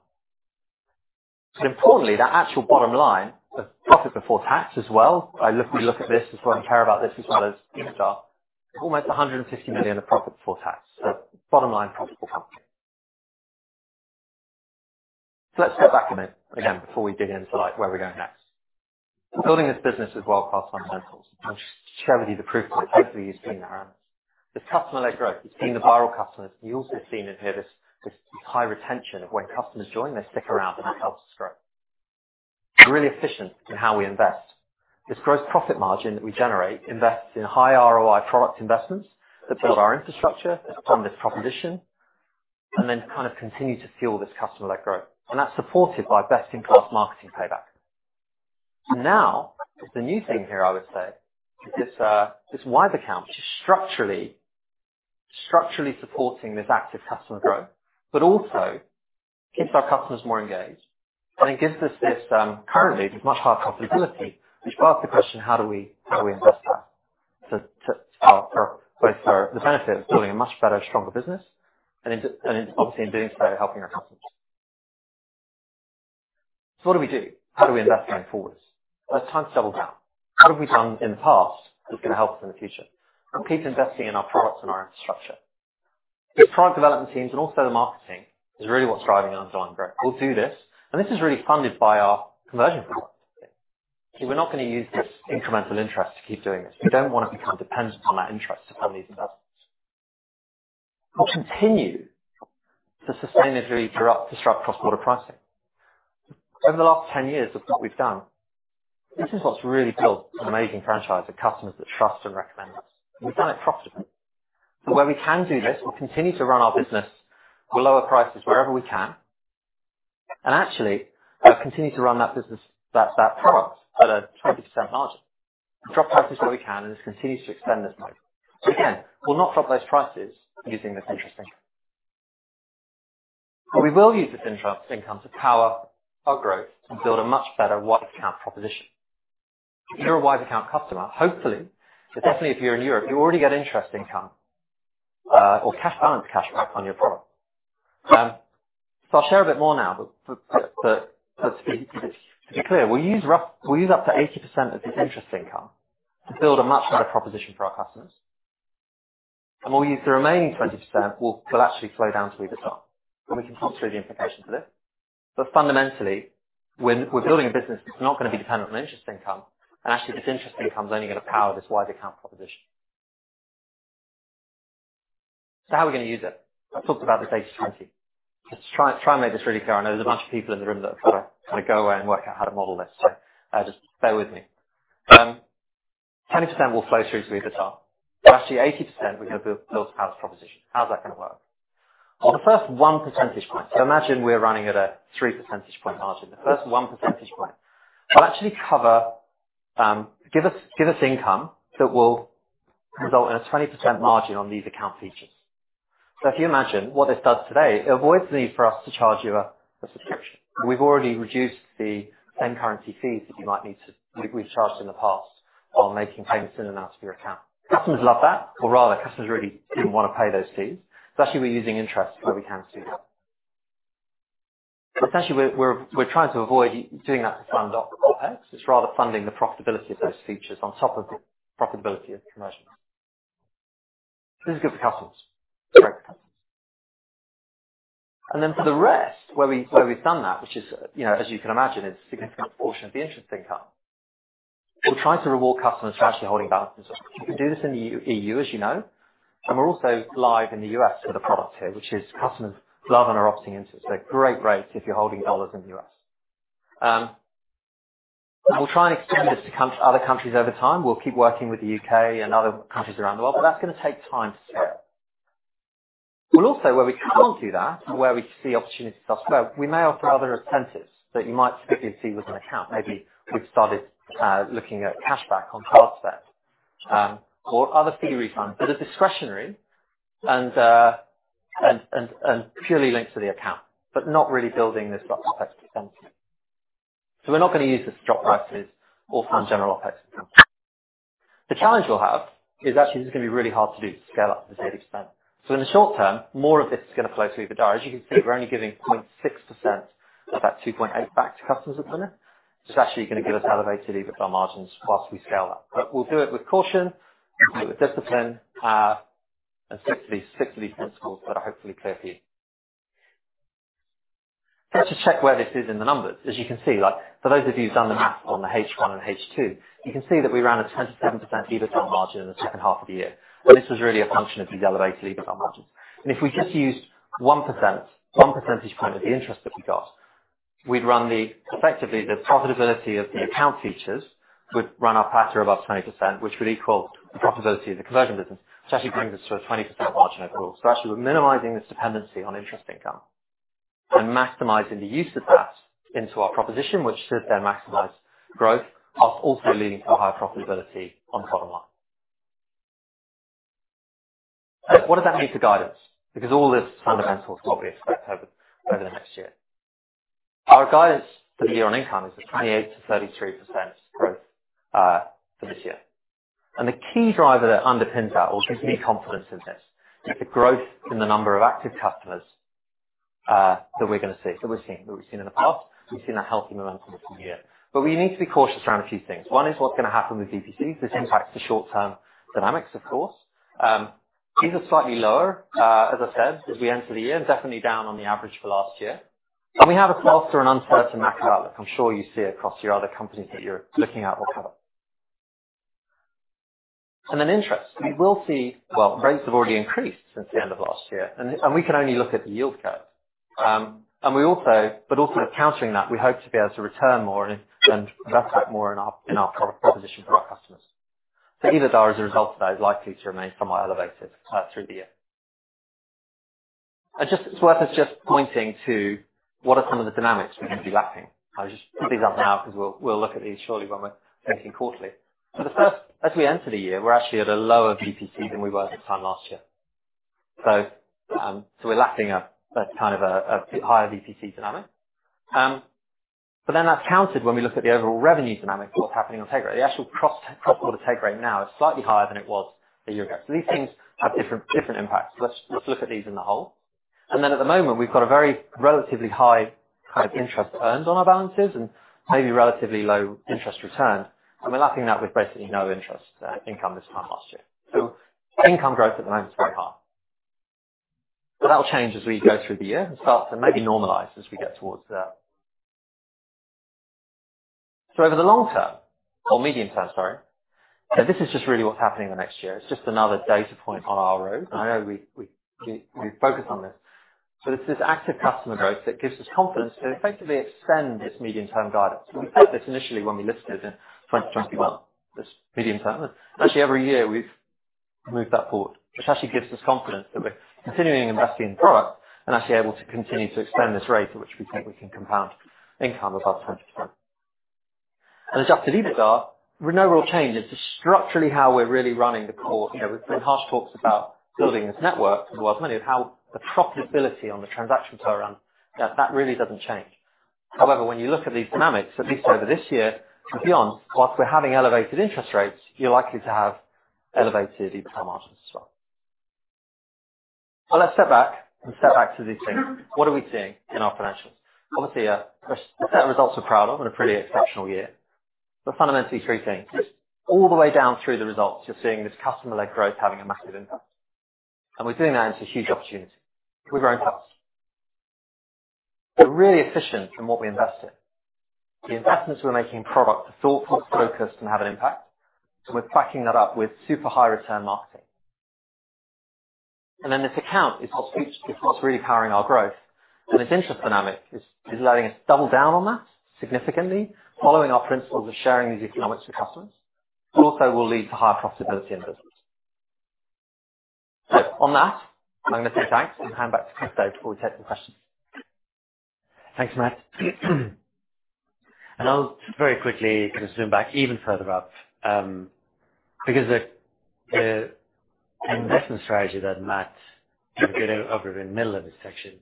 Importantly, that actual bottom line of profit before tax as well, we look at this as well and care about this as well as EBITDA, almost 150 million of profit before tax. Bottom line profit for the company. Let's step back a minute again, before we dig into like, where we're going next. Building this business with world-class fundamentals. I'll just share with you the proof point. Hopefully, you've seen that. There's customer-led growth. You've seen the viral customers. You've also seen in here this high retention of when customers join, they stick around, and that helps us grow. We're really efficient in how we invest. This gross profit margin that we generate invests in high ROI product investments that build our infrastructure, that form this proposition, then kind of continue to fuel this customer-led growth. That's supported by best-in-class marketing payback. Now, the new thing here, I would say, is this Wise Account, which is structurally supporting this active customer growth, but also keeps our customers more engaged. It gives us currently, this much higher profitability, which asks the question: How do we invest that? To for the benefit of building a much better, stronger business, and obviously in doing so, helping our customers. What do we do? How do we invest going forward? Well, it's time to double down. How have we done in the past that's going to help us in the future? Keep investing in our products and our infrastructure. The product development teams and also the marketing is really what's driving our ongoing growth. We'll do this, and this is really funded by our conversion product. We're not going to use this incremental interest to keep doing this. We don't want to become dependent on that interest to fund these investments. We'll continue to sustainably drop, disrupt cross-border pricing. Over the last 10 years of what we've done, this is what's really built an amazing franchise of customers that trust and recommend us, and we've done it profitably. Where we can do this, we'll continue to run our business. We'll lower prices wherever we can, and actually, continue to run that business, that product at a 20% margin. Drop prices where we can and just continue to extend this model. Again, we'll not drop those prices using this interesting. We will use this interest income to power our growth and build a much better Wise Account proposition. If you're a Wise Account customer, hopefully, but definitely if you're in Europe, you already get interest income, or cash balance cash back on your product. I'll share a bit more now, but to be clear, we'll use up to 80% of this interest income to build a much better proposition for our customers. We'll use the remaining 20% will actually flow down to EBITDA, and we can talk through the implications of this. Fundamentally, when we're building a business, it's not going to be dependent on interest income. Actually, this interest income is only going to power this Wise Account proposition. How are we going to use it? I've talked about this 80/20. Let's try and make this really clear. I know there's a bunch of people in the room that are trying to go away and work out how to model this, so just bear with me. 10% will flow through to EBITDA, actually 80%, we're going to build our proposition. How's that going to work? The first 1 percentage point. Imagine we're running at a 3 percentage point margin. The first 1 percentage point will actually cover, give us income that will result in a 20% margin on these account features. If you imagine what this does today, it avoids the need for us to charge you a subscription. We've already reduced the same currency fees We've charged in the past on making payments in and out of your account. Customers love that, rather, customers really didn't want to pay those fees. Actually, we're using interest where we can to do that. Essentially, we're trying to avoid doing that to fund OpEx. It's rather funding the profitability of those features on top of the profitability of the conversion. This is good for customers, great for customers. For the rest, where we've done that, which is, you know, as you can imagine, is a significant portion of the interest income. We're trying to reward customers for actually holding balances. We do this in the EU, as you know, and we're also live in the U.S. with a product here, which is customers love and are opting into. Great rates if you're holding dollars in the U.S. We'll try and extend this to other countries over time. We'll keep working with the U.K. and other countries around the world, but that's going to take time to scale. We'll also, where we can't do that and where we see opportunities to offer, we may offer other incentives that you might specifically see with an account. Maybe we've started looking at cashback on card spend or other fee refunds that are discretionary and purely linked to the account, but not really building this drop OpEx extensively. We're not going to use this drop prices or fund general OpEx. The challenge we'll have is actually this is going to be really hard to do, to scale up to this extent. In the short term, more of this is going to flow through EBITDA. As you can see, we're only giving 0.6% of that 2.8% back to customers at the moment. It's actually going to give us elevated EBITDA margins whilst we scale up. We'll do it with caution, we'll do it with discipline, and stick to these principles that are hopefully clear for you. Let's just check where this is in the numbers. As you can see, like, for those of you who've done the math on the H1 and H2, you can see that we ran a 10%-7% EBITDA margin in the second half of the year. This was really a function of these elevated EBITDA margins. If we just use 1%, 1 percentage point of the interest that we got, we'd run Effectively, the profitability of the account features would run our factor above 20%, which would equal the profitability of the conversion business. It actually brings us to a 20% margin overall. Actually, we're minimizing this dependency on interest income and maximizing the use of that into our proposition, which should then maximize growth, while also leading to a higher profitability on the bottom line. What does that mean for guidance? All this is fundamental to what we expect over the next year. Our guidance for the year on income is a 28%-33% growth for this year. The key driver that underpins that, or gives me confidence in this, is the growth in the number of active customers that we're going to see, that we're seeing, that we've seen in the past. We've seen a healthy momentum this year. We need to be cautious around a few things. One is what's going to happen with VPC. This impacts the short-term dynamics, of course. These are slightly lower, as I said, as we enter the year, and definitely down on the average for last year. We have a faster and uncertain macro outlook. I'm sure you see across your other companies that you're looking at or cover. Then interest. We will see. Well, rates have already increased since the end of last year, and we can only look at the yield curve. But also countering that, we hope to be able to return more and invest that more in our, in our product proposition for our customers. EBITDA, as a result of that, is likely to remain somewhat elevated through the year. It's worth us just pointing to what are some of the dynamics we're going to be lacking. I'll just put these up now, because we'll look at these shortly when we're thinking quarterly. The first, as we enter the year, we're actually at a lower VPC than we were this time last year. We're lapping up kind of a higher VPC dynamic. That's countered when we look at the overall revenue dynamic, what's happening on take rate. The actual cross-border take rate now is slightly higher than it was a year ago. These things have different impacts. Let's look at these in the whole. At the moment, we've got a very relatively high kind of interest earned on our balances and maybe relatively low interest return, and we're lapping that with basically no interest income this time last year. Income growth at the moment is very high. That will change as we go through the year and start to maybe normalize as we get towards the. Over the long term, or medium term, sorry, this is just really what's happening in the next year. It's just another data point on our road. I know we've focused on this, but it's this active customer growth that gives us confidence to effectively extend this medium-term guidance. We said this initially when we listed in 2021, this medium term. Actually, every year, we've moved that forward, which actually gives us confidence that we're continuing investing in product and actually able to continue to extend this rate at which we think we can compound income above 10%. As EBITDA, renewable change is structurally how we're really running the core. You know, when Harsh talks about building this network for the world's money, of how the profitability on the transaction side around, that really doesn't change. However, when you look at these dynamics, at least over this year and beyond, whilst we're having elevated interest rates, you're likely to have elevated EBITDA margins as well. Well, let's step back and step back to these things. What are we seeing in our financials? Obviously, a set of results we're proud of in a pretty exceptional year. Fundamentally, three things. All the way down through the results, you're seeing this customer-led growth having a massive impact, and we're doing that into huge opportunity with our own house. We're really efficient in what we invest in. The investments we're making in product are thoughtful, focused, and have an impact, so we're backing that up with super high return marketing. This account is what's really powering our growth, and this interest dynamic is allowing us to double down on that significantly, following our principles of sharing these economics with customers. It also will lead to higher profitability in business. On that, magnificent thanks, and hand back to Kristo before we take some questions. Thanks, Matt. I'll very quickly kind of zoom back even further up, because the investment strategy that Matt did over in the middle of this section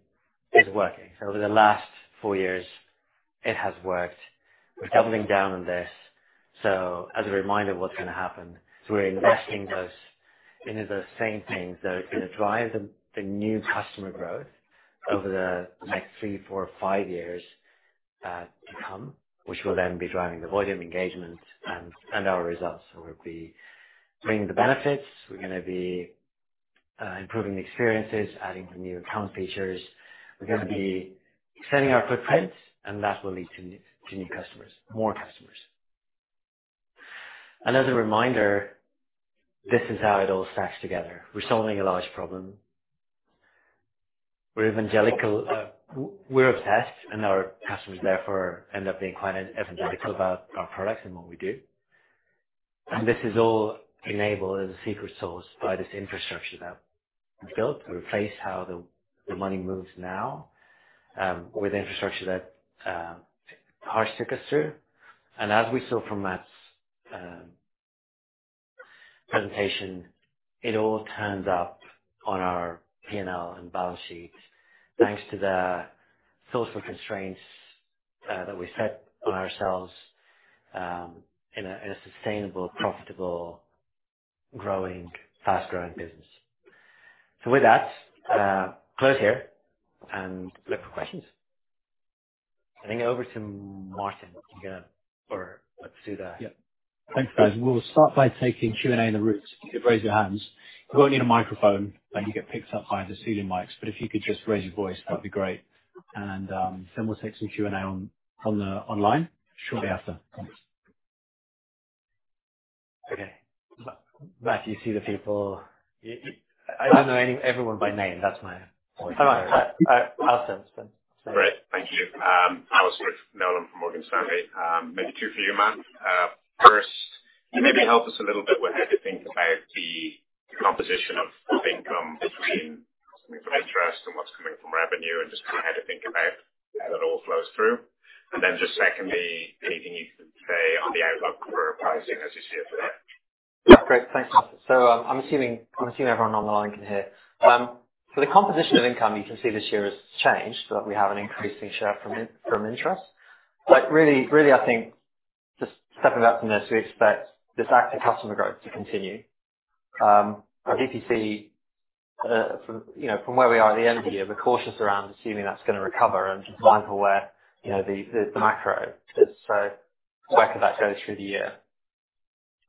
is working. Over the last four years, it has worked. We're doubling down on this. As a reminder of what's going to happen, we're investing those into the same things that are going to drive the new customer growth over the next three, four, or five years, to come, which will then be driving the volume engagement and our results. We'll be bringing the benefits, we're gonna be improving the experiences, adding the new account features. We're gonna be extending our footprint, and that will lead to new customers, more customers. As a reminder, this is how it all stacks together. We're solving a large problem. We're evangelical, we're obsessed, and our customers therefore end up being quite evangelical about our products and what we do. This is all enabled, as a secret source, by this infrastructure that we've built. We replaced how the money moves now with the infrastructure that Harsh took us through. As we saw from Matt's presentation, it all turns up on our P&L and balance sheet, thanks to the social constraints that we set on ourselves in a sustainable, profitable, growing, fast-growing business. With that, close here and look for questions. I think over to Martin. Yeah. Thanks, guys. We'll start by taking Q&A in the rooms. You raise your hands. You won't need a microphone, and you get picked up by the ceiling mics, but if you could just raise your voice, that'd be great. We'll take some Q&A on the online shortly after. Okay. Matt, do you see the people? I-I- I don't know any, everyone by name. That's my. All right. Alastair. Great. Thank you. Alastair with Nolan from Morgan Stanley. Maybe two for you, Matt. First, can you maybe help us a little bit with how to think about the composition of income between interest and what's coming from revenue, and just kind of how to think about how that all flows through? Just secondly, anything you can say on the outlook for pricing as you see it today. Yeah. Great. Thanks, Alastair. I'm assuming everyone on the line can hear. For the composition of income, you can see this year has changed, so that we have an increasing share from interest. Really, I think, just stepping back from this, we expect this active customer growth to continue. Our VPC, from, you know, from where we are at the end of the year, we're cautious around assuming that's going to recover and just mindful where, you know, the macro is. Track of that goes through the year.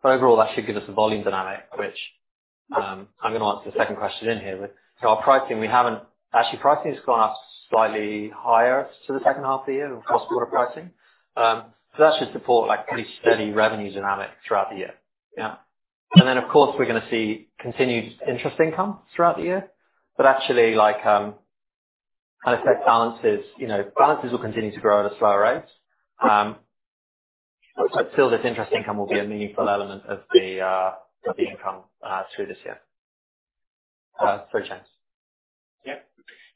Overall, that should give us a volume dynamic, which, I'm gonna answer the second question in here. With our pricing, we haven't. Actually, pricing has gone up slightly higher to the second half of the year, across quarter pricing. That should support, like, pretty steady revenue dynamic throughout the year. Yeah. Of course, we're gonna see continued interest income throughout the year, but actually, like, kind of set balances, you know, balances will continue to grow at a slower rate. Still this interest income will be a meaningful element of the, of the income, through this year. Through chance. Yeah.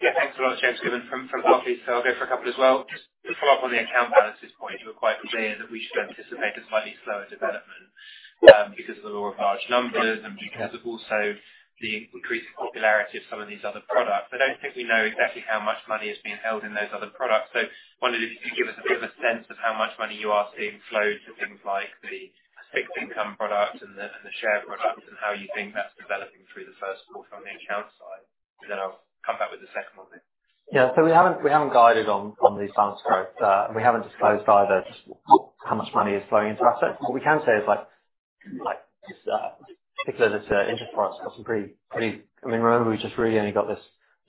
Yeah, thanks a lot, [inaudible] so I'll go for a couple as well. Just to follow up on the account balances point, you were quite clear that we should anticipate a slightly slower development, because of the law of large numbers and because of also the increased popularity of some of these other products. I don't think we know exactly how much money is being held in those other products. I wondered if you could give us a bit of a sense of how much money you are seeing flow to things like the fixed income products and the, and the share products, and how you think that's developing through the first quarter on the account side. I'll come back with the second one then. Yeah. We haven't guided on these funds growth, and we haven't disclosed either just how much money is flowing into our assets. What we can say is like, just because it's interest for us, got some pretty. I mean, remember, we just really only got this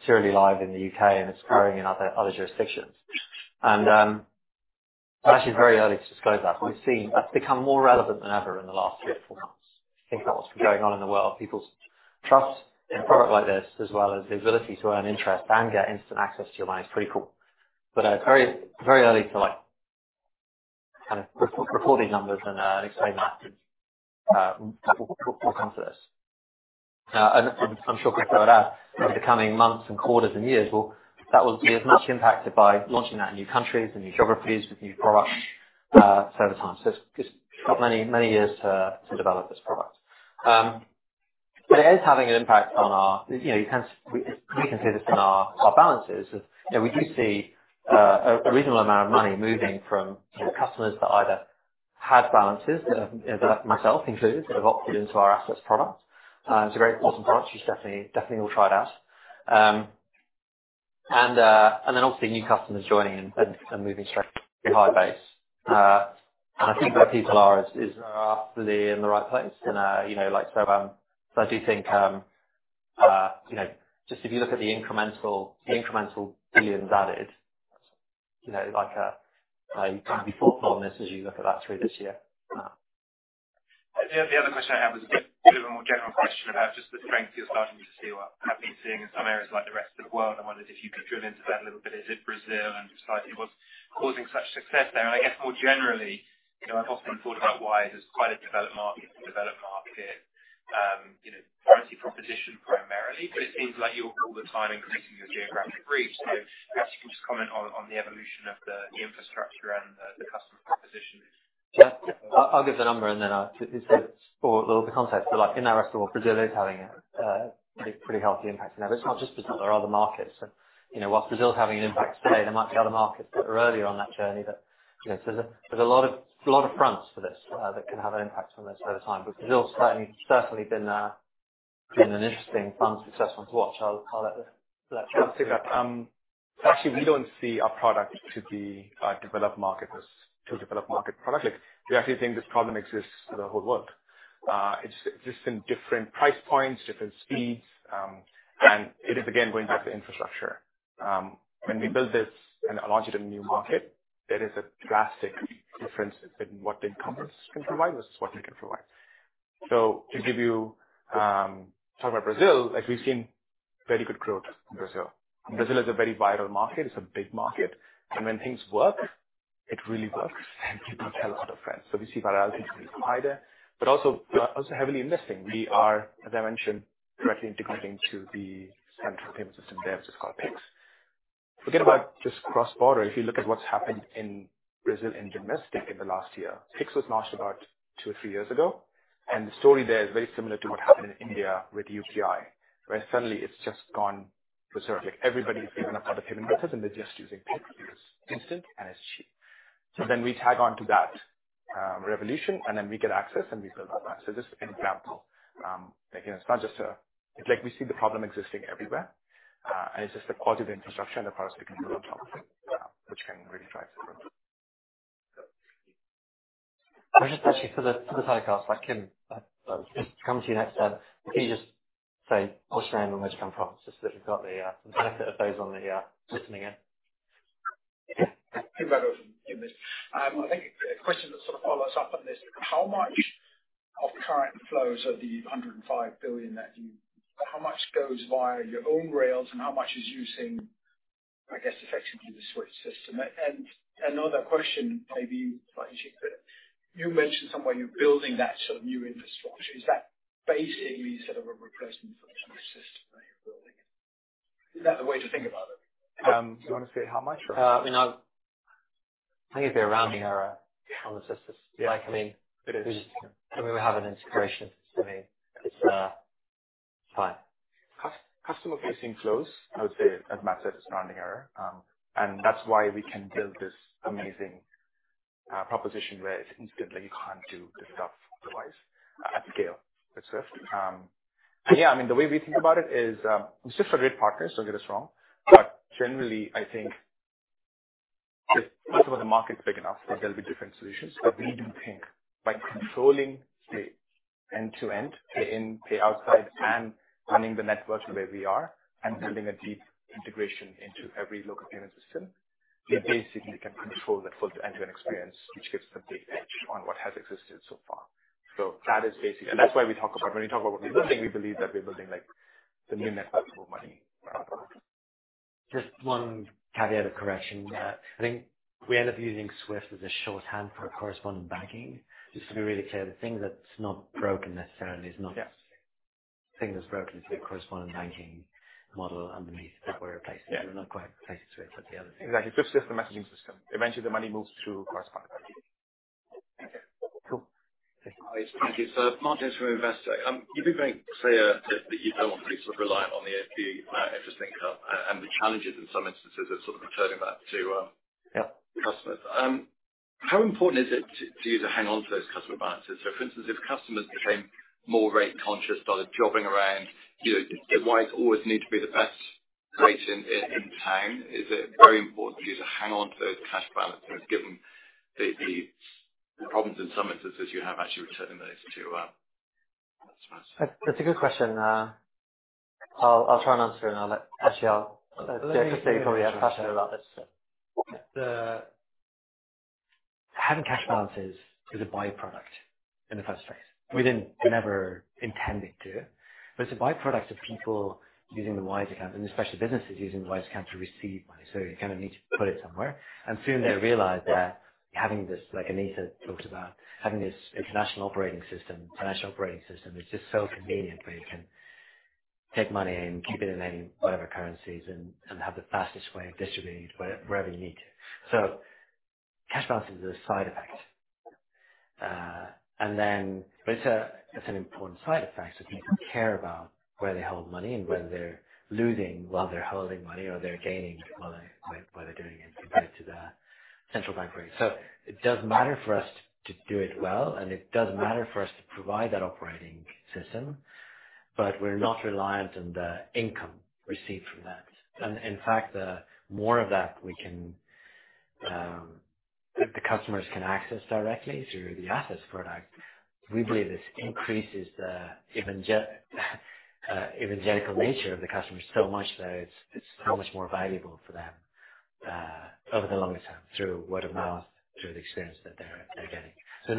purely live in the U.K., and it's growing in other jurisdictions. It's actually very early to disclose that. We've seen that's become more relevant than ever in the last three or four months. I think that was going on in the world, people's trust in a product like this, as well as the ability to earn interest and get instant access to your money is pretty cool. Very early to, like, kind of report these numbers and explain that we'll come to this. I'm sure over the coming months and quarters and years, well, that will be as much impacted by launching that in new countries and new geographies with new products over time. It's got many, many years to develop this product. It is having an impact on our, you know, we can see this in our balances. You know, we do see a reasonable amount of money moving from customers that either had balances, myself included, have opted into our Assets product. It's a very important product. You should definitely all try it out. Obviously new customers joining and moving straight to high base. I think where people are is awfully in the right place and, you know, like, I do think, you know, just if you look at the incremental billions added, you know, like, you can be thoughtful on this as you look at that through this year. The other question I had was a bit of a more general question about just the strength you're starting to see what have been seeing in some areas like the rest of the world. I wondered if you could drill into that a little bit. Is it Brazil and exactly what's causing such success there? I guess more generally, you know, I've often thought about why there's quite a developed market, you know, currency proposition primarily, but it seems like you're all the time increasing your geographic reach. If you can just comment on the evolution of the infrastructure and the customer proposition. Yeah. I'll give the number, and then I'll just for a little context. Like, in that restaurant, Brazil is having a pretty healthy impact now. It's not just Brazil, there are other markets. You know, while Brazil is having an impact today, there might be other markets that are earlier on that journey that, you know, there's a lot of fronts for this that can have an impact on this over time. Brazil's certainly been an interesting fund success one to watch. I'll let Harsh take that. Actually, we don't see our product to the developed market as to a developed market product. We actually think this problem exists in the whole world. It's just in different price points, different speeds, it is again, going back to infrastructure. When we build this and launch it in a new market, there is a drastic difference between what the incumbents can provide versus what we can provide. To give you, talk about Brazil, like, we've seen very good growth in Brazil. Brazil is a very vital market. It's a big market, and when things work, it really works, and people tell a lot of friends. We see virality coming from there, but also, we're also heavily investing. We are, as I mentioned, directly integrating to the central payment system there, which is called Pix. Forget about just cross-border. If you look at what's happened in Brazil and domestic in the last year, Pix was launched about two or three years ago, and the story there is very similar to what happened in India with UPI, where suddenly it's just gone berserk. Like, everybody's given up other payment methods, and they're just using Pix because it's instant and it's cheap. We tag on to that revolution, and then we get access, and we build that back. Just an example. Again, it's not just a... It's like we see the problem existing everywhere, and it's just the quality of the infrastructure and the products we can build on top of it, which can really drive success. Just actually for the podcast, like, Kim, come to you next. Can you just say what's your name and where do you come from? Just so we've got the benefit of those on the listening in. Yeah. Kim Bergoe from Numis. I think a question that sort of follows up on this, how much of current flows of the 105 billion, how much goes via your own rails and how much is using, I guess, effectively the SWIFT system? Another question, maybe, but you mentioned somewhere you're building that sort of new infrastructure. Is that basically sort of a replacement for the SWIFT system that you're building? Is that the way to think about it? You want to say how much? You know, I think it's a rounding error on the systems. Yeah. Like, I mean. It is. We have an integration. I mean, it's fine. Customer-facing flows, I would say, as Matt said, it's a rounding error. That's why we can build this amazing proposition where it's instantly you can't do this stuff otherwise at scale, et cetera. Yeah, I mean, the way we think about it is, it's just a great partner, don't get us wrong. Generally, I think, first of all, the market's big enough that there'll be different solutions. We do think by controlling the end-to-end, the in, the outside, and running the network the way we are and building a deep integration into every local payment system, we basically can control the full end-to-end experience, which gives us a big edge on what has existed so far. That is basically... That's why when we talk about what we're building, we believe that we're building like the new network for money, product. Just one caveat of correction. Yeah. I think we end up using SWIFT as a shorthand for correspondent banking. Just to be really clear, the thing that's not broken necessarily is not- Yes. The thing that's broken is the correspondent banking model underneath that we're replacing. Yeah. We're not quite replacing it, but the other thing. Exactly. SWIFT is the messaging system. Eventually, the money moves through correspondent banking. Okay, cool. Hi. Thank you. Mark Jones from Investec. You've been very clear that you don't want to be sort of reliant on the API, interesting, and the challenges in some instances of sort of returning back to. Yeah -customers. How important is it to you to hang on to those customer balances? For instance, if customers became more rate conscious, started shopping around, you know, do Wise always need to be the best rate in town? Is it very important for you to hang on to those cash balances, given the problems in some instances you have actually returning those to customers? That's a good question. I'll try and answer it, and I'll let Harsh probably have passionate about this. The having cash balances is a by-product in the first place. We didn't, we never intended to, but it's a by-product of people using the Wise Account, and especially businesses using the Wise Account to receive money. You kind of need to put it somewhere. Soon they realize that having this, like Anita talked about, having this international operating system, financial operating system, is just so convenient, where you can take money in, keep it in any whatever currencies, and have the fastest way of distributing it wherever you need to. Cash balance is a side effect. It's an important side effect that people care about where they hold money and whether they're losing while they're holding money or they're gaining while they're doing it, compared to the central bank rate. It does matter for us to do it well, and it does matter for us to provide that operating system, but we're not reliant on the income received from that. In fact, the more of that we can, the customers can access directly through the Wise Assets product, we believe this increases the evangelical nature of the customers so much that it's so much more valuable for them over the longer term, through word of mouth, through the experience that they're getting.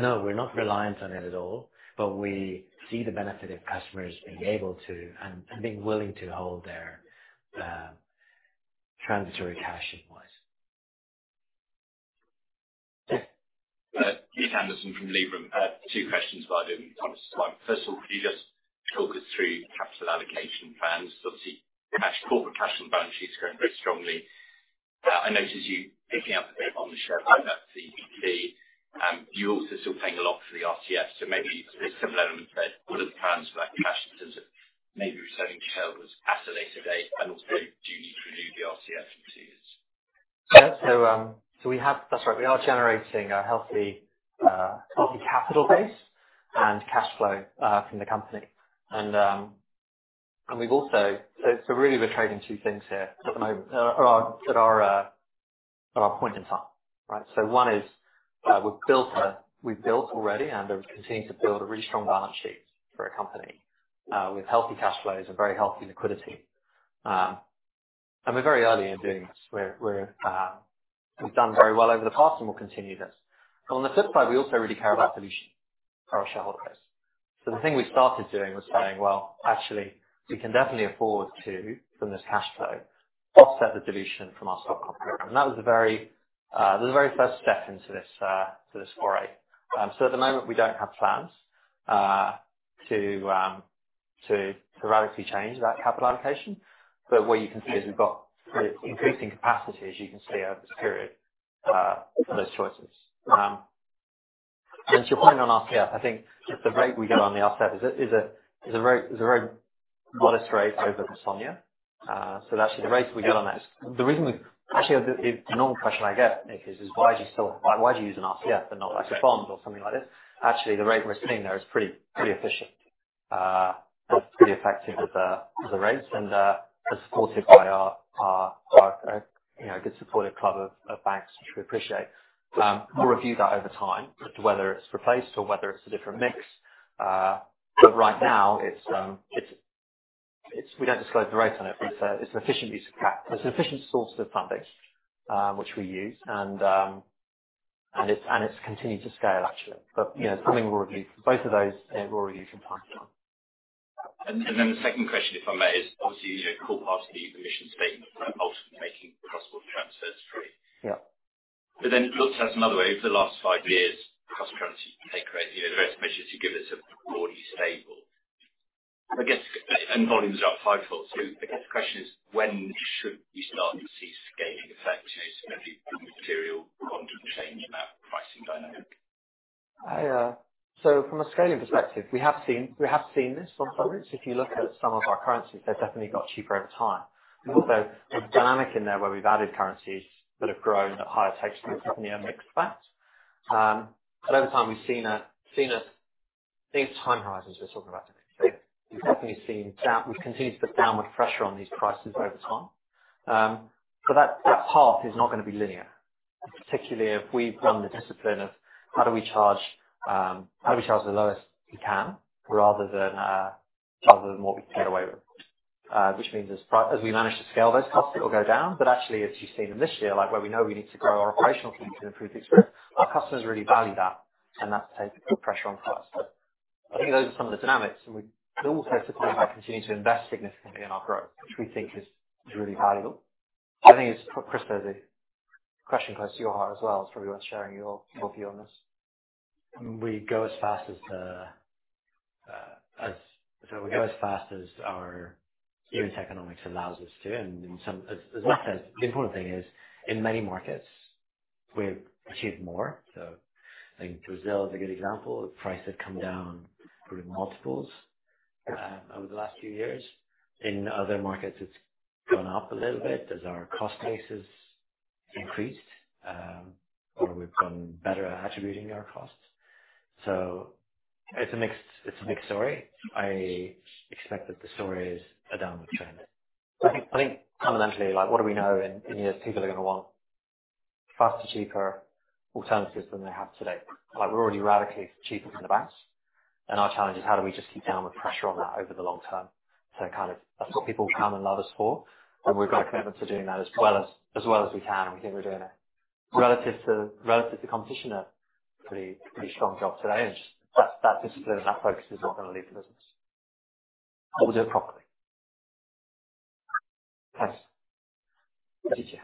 No, we're not reliant on it at all, but we see the benefit of customers being able to and being willing to hold their transitory cash in Wise. Yeah. Keith Anderson from Liberum. I have two questions, if I do. First of all, could you just talk us through capital allocation plans? Obviously, cash, corporate cash and balance sheets growing very strongly. I noticed you picking up a bit on the share buyback CVP. You're also still paying a lot for the RTS, so maybe there's some element that what are the plans for that cash in terms of maybe returning shareholders at a later date? Also, do you need to renew the RTS in two years? That's right. We are generating a healthy capital base and cash flow from the company. Really, we're trading two things here at the moment, or at our point in time, right? One is, we've built already and are continuing to build a really strong balance sheet for a company with healthy cash flows and very healthy liquidity. We're very early in doing this. We've done very well over the past, and we'll continue this. On the flip side, we also really care about dilution for our shareholders. The thing we started doing was saying, "We can definitely afford to, from this cash flow, offset the dilution from our stock program." That was a very, the very first step into this, to this foray. At the moment, we don't have plans to dramatically change that capital allocation. What you can see is we've got increasing capacity, as you can see over this period, those choices. To your point on repo, I think the rate we get on the repo is a very modest rate over SONIA. The rates we get on that, the normal question I get, Nick, is why do you still, why do you use an repo and not like a bond or something like this? Actually, the rate we're seeing there is pretty efficient, pretty effective as a rate and is supported by our, you know, good supportive club of banks, which we appreciate. We'll review that over time, whether it's replaced or whether it's a different mix. Right now, we don't disclose the rate on it, but it's an efficient use of CapEx. It's an efficient source of funding, which we use, and it's continued to scale, actually. You know, something we'll review. Both of those, we'll review from time to time. Then the second question, if I may, is obviously, you know, core part of the commission statement, ultimately making cross-border transfers free. Yeah. Look at it another way, over the last five years, cross-currency take rate, you know, rates commissions, you give it a broadly stable. I guess, and volumes are up fivefold. I guess the question is, when should we start to see scaling effect to a material quantum change in that pricing dynamic? From a scaling perspective, we have seen this on products. If you look at some of our currencies, they've definitely got cheaper over time. Although the dynamic in there, where we've added currencies that have grown at higher rates than the near mixed fact. Over time, we've seen, I think it's time horizons we're talking about today. We've definitely continued to put downward pressure on these prices over time. That path is not going to be linear, particularly if we've run the discipline of how do we charge, how do we charge the lowest we can, rather than what we can get away with? Which means as we manage to scale, those costs will go down. Actually, as you've seen in this year, like, where we know we need to grow our operational team to improve the experience, our customers really value that, and that's putting good pressure on cost. I think those are some of the dynamics, and we also have to continue to invest significantly in our growth, which we think is really valuable. I think it's, Kristo, that's a question close to your heart as well, so probably worth sharing your view on this. We go as fast as our unit economics allows us to, and in as Matt says, the important thing is, in many markets, we've achieved more. I think Brazil is a good example. Price had come down through multiples over the last few years. In other markets, it's gone up a little bit as our cost base has increased, or we've gotten better at attributing our costs. It's a mixed story. I expect that the story is a downward trend. I think fundamentally, like, what do we know? In years, people are going to want faster, cheaper alternatives than they have today. Like, we're already radically cheaper than the banks, and our challenge is how do we just keep downward pressure on that over the long term? So kind of, that's what people come and love us for, and we've got a commitment to doing that as well as we can. We think we're doing it relative to competition, a pretty strong job today. And just that discipline and that focus is what going to lead the business. But we'll do it properly. Thanks. DJ?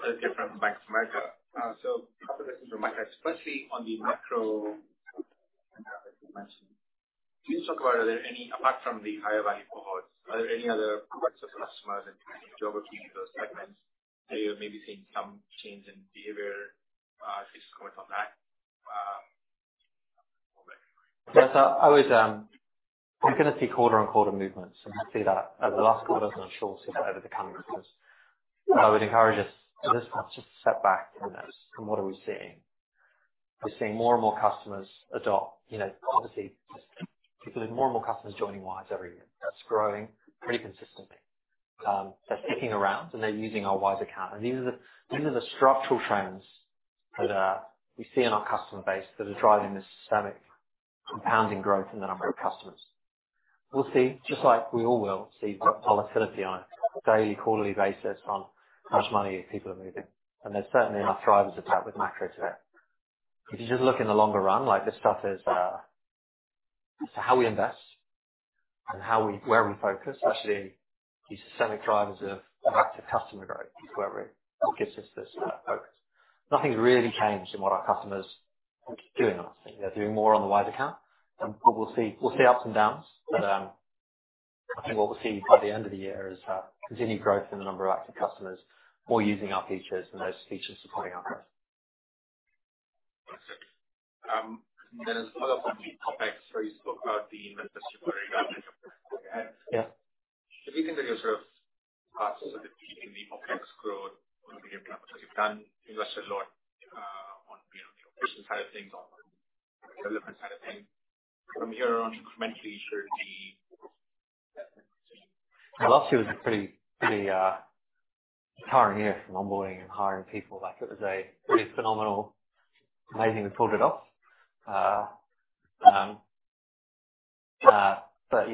DJ from Bank of America. Couple of questions from my guys. Firstly, on the macro dimension, can you talk about, apart from the higher value cohorts, are there any other products or customers that you geography those segments, are you maybe seeing some change in behavior, just going from that? Yes, I was. We're going to see quarter-on-quarter movements, and we'll see that over the last quarter, and I'm sure over the coming quarters. I would encourage us to just kind of just step back from this, from what are we seeing? We're seeing more and more customers adopt, you know, obviously, there's more and more customers joining Wise every year. That's growing pretty consistently. They're sticking around, and they're using our Wise Account. These are the structural trends that we see in our customer base that are driving this systemic compounding growth in the number of customers. We'll see, just like we all will, what volatility on a daily, quarterly basis on how much money people are moving. There's certainly enough drivers of that with macro today. You just look in the longer run, like, this stuff is how we invest and where we focus, especially these systemic drivers of active customer growth, is where it gives us this focus. Nothing's really changed in what our customers are doing. They're doing more on the Wise Account, we'll see ups and downs. I think what we'll see by the end of the year is continued growth in the number of active customers, more using our features, and those features supporting our growth. There's a lot of topics where you spoke about the inventory management. Yeah. Do you think that you're sort of keeping the OpEx growth? Because you've done, invested a lot, on, you know, the operations side of things, on the development side of things. From here on, incrementally. Well, last year was a pretty hiring year from onboarding and hiring people. Like, it was a pretty phenomenal. Amazing we pulled it off. You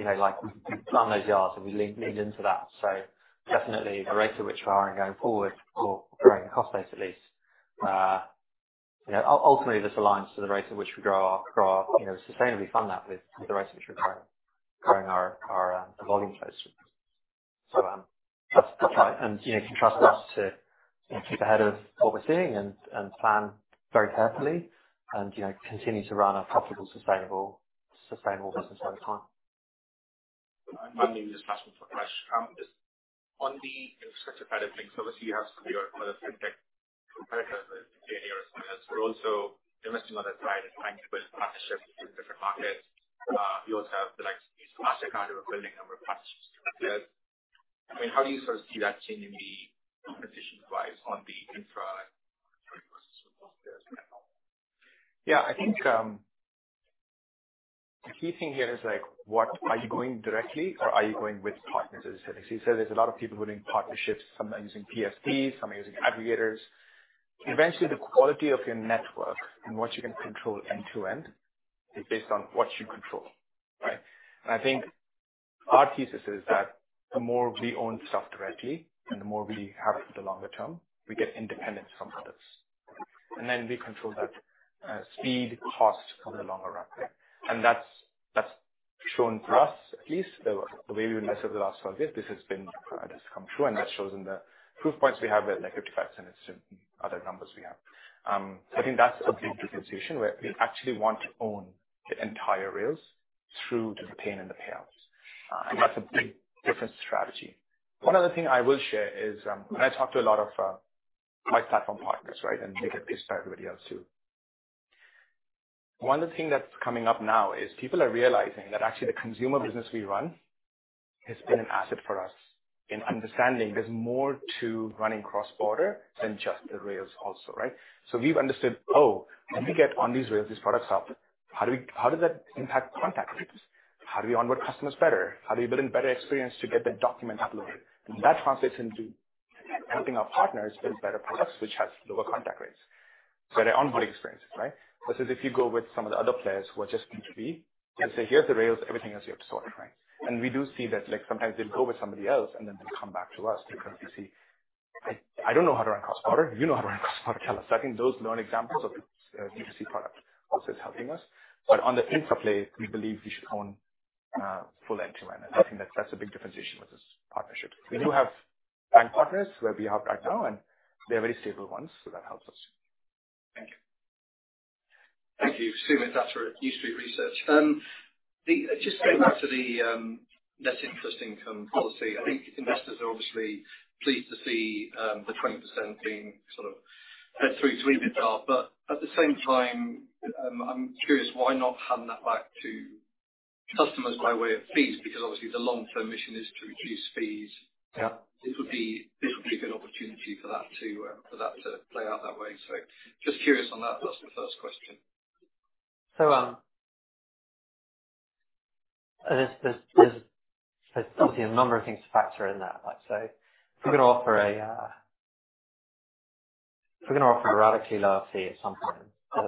know, like, we've done those jobs, we lean into that. Definitely the rate at which we're hiring going forward will bring the cost base at least. You know, ultimately, this aligns to the rate at which we grow our, you know, sustainably fund that with the rates which we're growing our volume space. Trust, you know, you can trust us to, you know, keep ahead of what we're seeing and plan very carefully and, you know, continue to run a profitable, sustainable business over time. My name is Joshua Fresh. Just on the infrastructure side of things, so obviously you have your fintech partners, but you're also investing on that side and trying to build partnerships with different markets. You also have the Mastercard, you're building a number of partnerships. I mean, how do you sort of see that changing the competition Wise on the infra? Yeah, I think, the key thing here is, like, are you going directly or are you going with partners? As you said, there's a lot of people who are doing partnerships, some are using PSP, some are using aggregators. Eventually, the quality of your network and what you can control end-to-end is based on what you control, right? I think our thesis is that the more we own stuff directly and the more we have it for the longer term, we get independent from others. We control that speed, costs on the longer run. That's, that's shown for us at least, maybe even less over the last 12 years. This has been, this has come true, and that shows in the proof points we have with, like, 55% other numbers we have. I think that's a big differentiation where we actually want to own the entire rails through to the pay in and the payouts, that's a big different strategy. One other thing I will share is, when I talk to a lot of my platform partners, right? They get this by everybody else, too. One of the thing that's coming up now is people are realizing that actually the consumer business we run has been an asset for us in understanding there's more to running cross-border than just the rails also, right? We've understood, when we get on these rails, these products out, how does that impact contact rates? How do we onboard customers better? How do we build a better experience to get the document uploaded? That translates into helping our partners build better products, which has lower contact rates. The onboarding experience, right? Versus if you go with some of the other players who are just B2B, they'll say, "Here's the rails, everything else you have to sort," right? We do see that, like, sometimes they'll go with somebody else, and then they'll come back to us because I don't know how to run cost waterfall. You know how to run cost waterfall, tell us. I think those learned examples of the D2C product also is helping us. On the infra play, we believe we should own full end-to-end, and I think that that's a big differentiation with this partnership. We do have bank partners where we are right now, and they're very stable ones, so that helps us. Thank you. Thank you. Stephen, New Street Research. Just going back to the net interest income policy, I think investors are obviously pleased to see the 20% being sort of read through to even half. At the same time, I'm curious, why not hand that back to customers by way of fees? Obviously the long-term mission is to reduce fees. Yeah. This would be a good opportunity for that to for that to play out that way. Just curious on that. That's the first question. There's obviously a number of things to factor in there. Like, if we're going to offer a radically lower fee at some point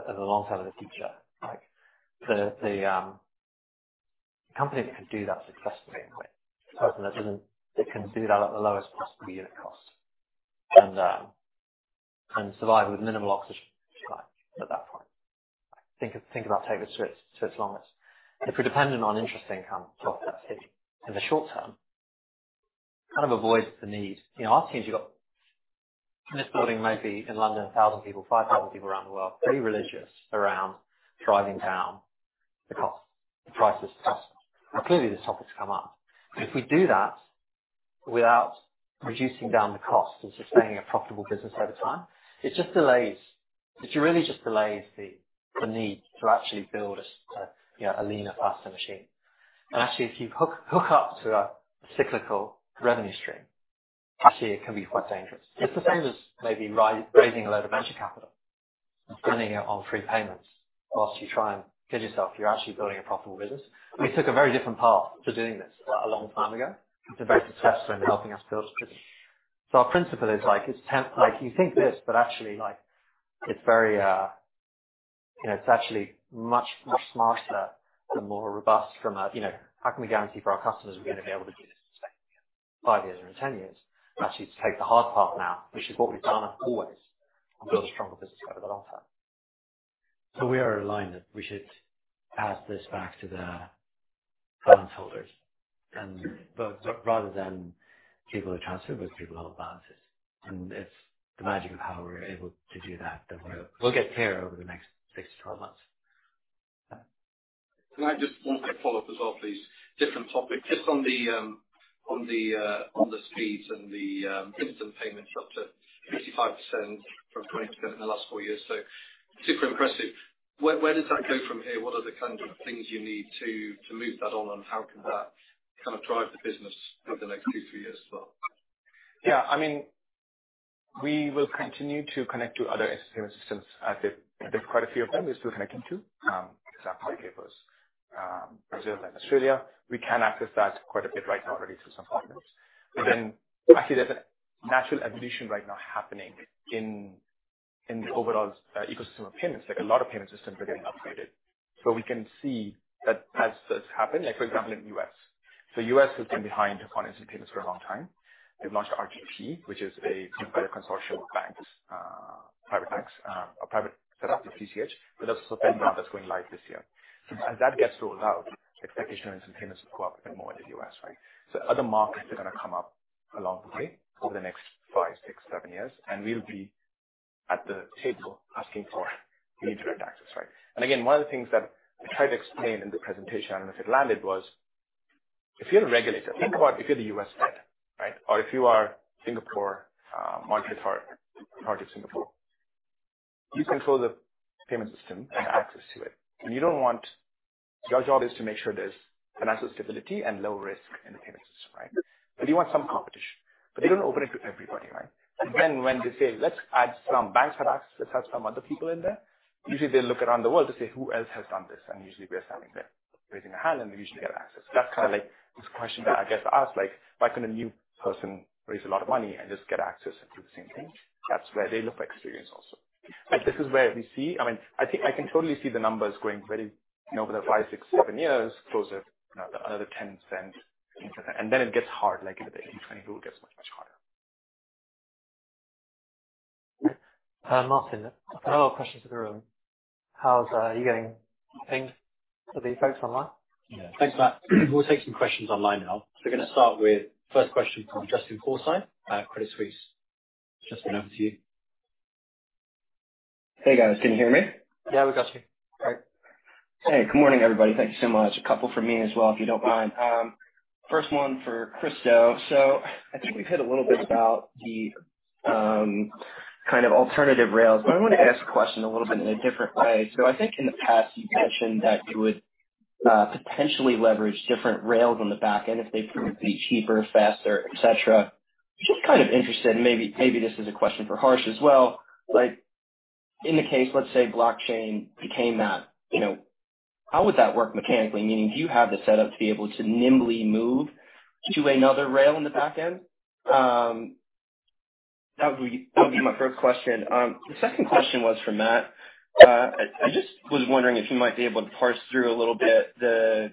in the long term of the future, like, the company that can do that successfully, and the person that doesn't, that can do that at the lowest possible unit cost, and survive with minimal oxygen, at that point. Think about taking it to its longest. If you're dependent on interest income to offset in the short term, kind of avoids the need. You know, our teams, you got in this building, maybe in London, 1,000 people, 5,000 people around the world, very religious around driving down the cost, the prices. Clearly, this topic's come up. If we do that without reducing down the cost and sustaining a profitable business over time, it just delays. It really just delays the need to actually build a, you know, a leaner, faster machine. Actually, if you hook up to a cyclical revenue stream, actually it can be quite dangerous. It's the same as maybe raising a lot of venture capital and spending it on free payments whilst you try and get yourself, you're actually building a profitable business. We took a very different path to doing this a long time ago. It's been very successful in helping us build. Our principle is like, it's like, you think this, but actually, like, it's very, you know, it's actually much, much smarter and more robust from a, you know, how can we guarantee for our customers we're going to be able to do this in five years or in 10 years? Actually, to take the hard part now, which is what we've done always, and build a stronger business over the long term. We are aligned that we should add this back to the balance holders but rather than people who transfer, but people who have balances. It's the magic of how we're able to do that we'll get clearer over the next 6-12 months. Can I just one quick follow-up as well, please? Different topic. Just on the fees and the instant payments up to 55% from 20% in the last four years. Super impressive. Where does that go from here? What are the kind of things you need to move that on, and how can that kind of drive the business over the next two, three years as well? Yeah, I mean, we will continue to connect to other instant payment systems as if there's quite a few of them we're still connecting to, because that's how it gave us Brazil and Australia. We can access that quite a bit right now already through some partners. Actually, there's a natural evolution right now happening in the overall ecosystem of payments. A lot of payment systems are getting upgraded. We can see that as this happen, for example, in the U.S. U.S. has been behind on instant payments for a long time. They've launched RTP, which is a better consortium of banks, private banks, a private set up with CCH, but also FedNow that's going live this year. As that gets rolled out, expectation is instantaneous will go up and more in the U.S., right? Other markets are going to come up along the way over the next five, six, seven years, and we'll be at the table asking for need direct access, right? Again, one of the things that I tried to explain in the presentation, and if it landed, was if you're a regulator, think about if you're the U.S. Fed, right? Or if you are Singapore, market part of Singapore, you control the payment system and access to it, and you don't want... Your job is to make sure there's financial stability and low risk in the payment system, right? You want some competition. You don't open it to everybody, right? When they say, "Let's add some banks, let's have some other people in there," usually they look around the world to say, "Who else has done this?" Usually we are standing there, raising a hand, and we usually get access. That's kind of like this question that I get asked, like, why can a new person raise a lot of money and just get access and do the same thing? That's where they look for experience also. This is where we see. I mean, I think I can totally see the numbers going very, you know, over the five, six, seven years, closer to another 10%, interest, and then it gets hard, like, the 20 cool gets much, much harder. Martyn, I have a question for the room. How's, you getting things for the folks online? Yeah. Thanks, Matt. We'll take some questions online now. We're going to start with first question from Justin Forsythe at Credit Suisse. Justin, over to you. Hey, guys, can you hear me? Yeah, we got you. All right. Hey, good morning, everybody. Thank you so much. A couple from me as well, if you don't mind. First one for Kristo. I think we've hit a little bit about the kind of alternative rails, but I want to ask a question a little bit in a different way. I think in the past, you've mentioned that you would potentially leverage different rails on the back end if they prove to be cheaper, faster, et cetera. Just kind of interested, and maybe this is a question for Harsh as well. Like, in the case, let's say, blockchain became that, you know, how would that work mechanically? Meaning, do you have the setup to be able to nimbly move to another rail in the back end? That would be my first question. The second question was for Matt. I just was wondering if you might be able to parse through a little bit the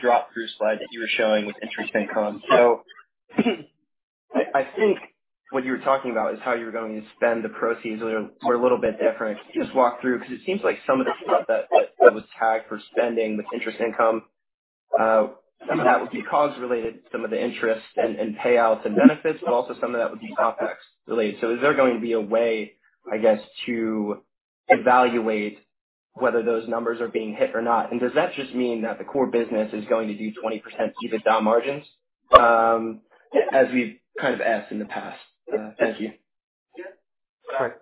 drop-through slide that you were showing with interest income. I think what you were talking about is how you were going to spend the proceeds. We're a little bit different. Can you just walk through? 'Cause it seems like some of the stuff that was tagged for spending with interest income, some of that would be cause related, some of the interest and payouts and benefits, but also some of that would be CapEx related. Is there going to be a way to evaluate whether those numbers are being hit or not? Does that just mean that the core business is going to do 20% EBITDA margins as we've asked in the past? Thank you. Yeah. All right.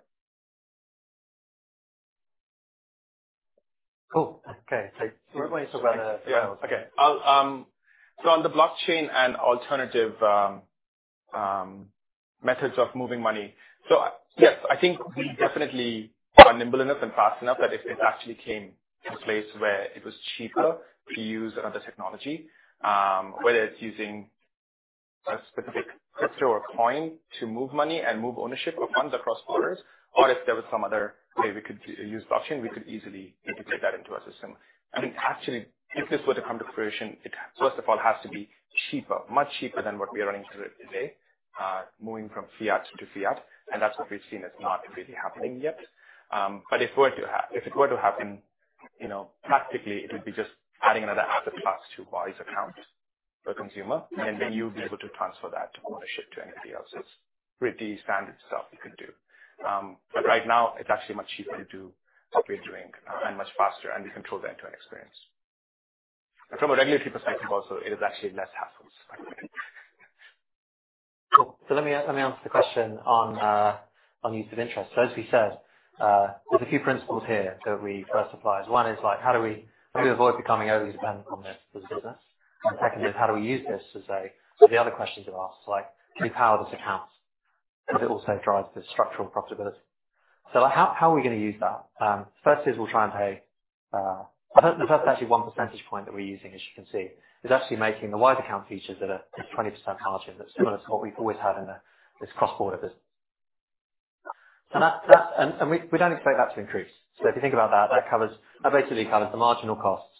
Cool. Okay. We're going to talk about. Yeah. Okay. I'll on the blockchain and alternative methods of moving money. Yes, I think we definitely are nimble enough and fast enough that if it actually came to a place where it was cheaper to use another technology, whether it's using a specific crypto or coin to move money and move ownership of funds across borders, or if there was some other way we could use blockchain, we could easily integrate that into our system. I mean, actually, if this were to come to fruition, it first of all, has to be cheaper, much cheaper than what we are running today, moving from fiat to fiat, and that's what we've seen is not really happening yet. If it were to happen, you know, practically, it would be just adding another asset class to Wise Account for consumer, and then you'd be able to transfer that ownership to anybody else. It's pretty standard stuff you can do. Right now it's actually much cheaper to do what we're doing, and much faster, and we control the end-to-end experience. From a regulatory perspective, also, it is actually less hassles. Cool. Let me answer the question on use of interest. As we said, there's a few principles here that we first apply. One is, like, how do we avoid becoming overly dependent on this as a business? Secondly, how do we use this to say, the other questions you asked, like, can we power this account, but it also drives the structural profitability. How are we gonna use that? First is we'll try and pay the first actually one percentage point that we're using, as you can see, is actually making the Wise Account features that are 20% margin. That's similar to what we've always had in this cross-border business. That and we don't expect that to increase. If you think about that basically covers the marginal costs.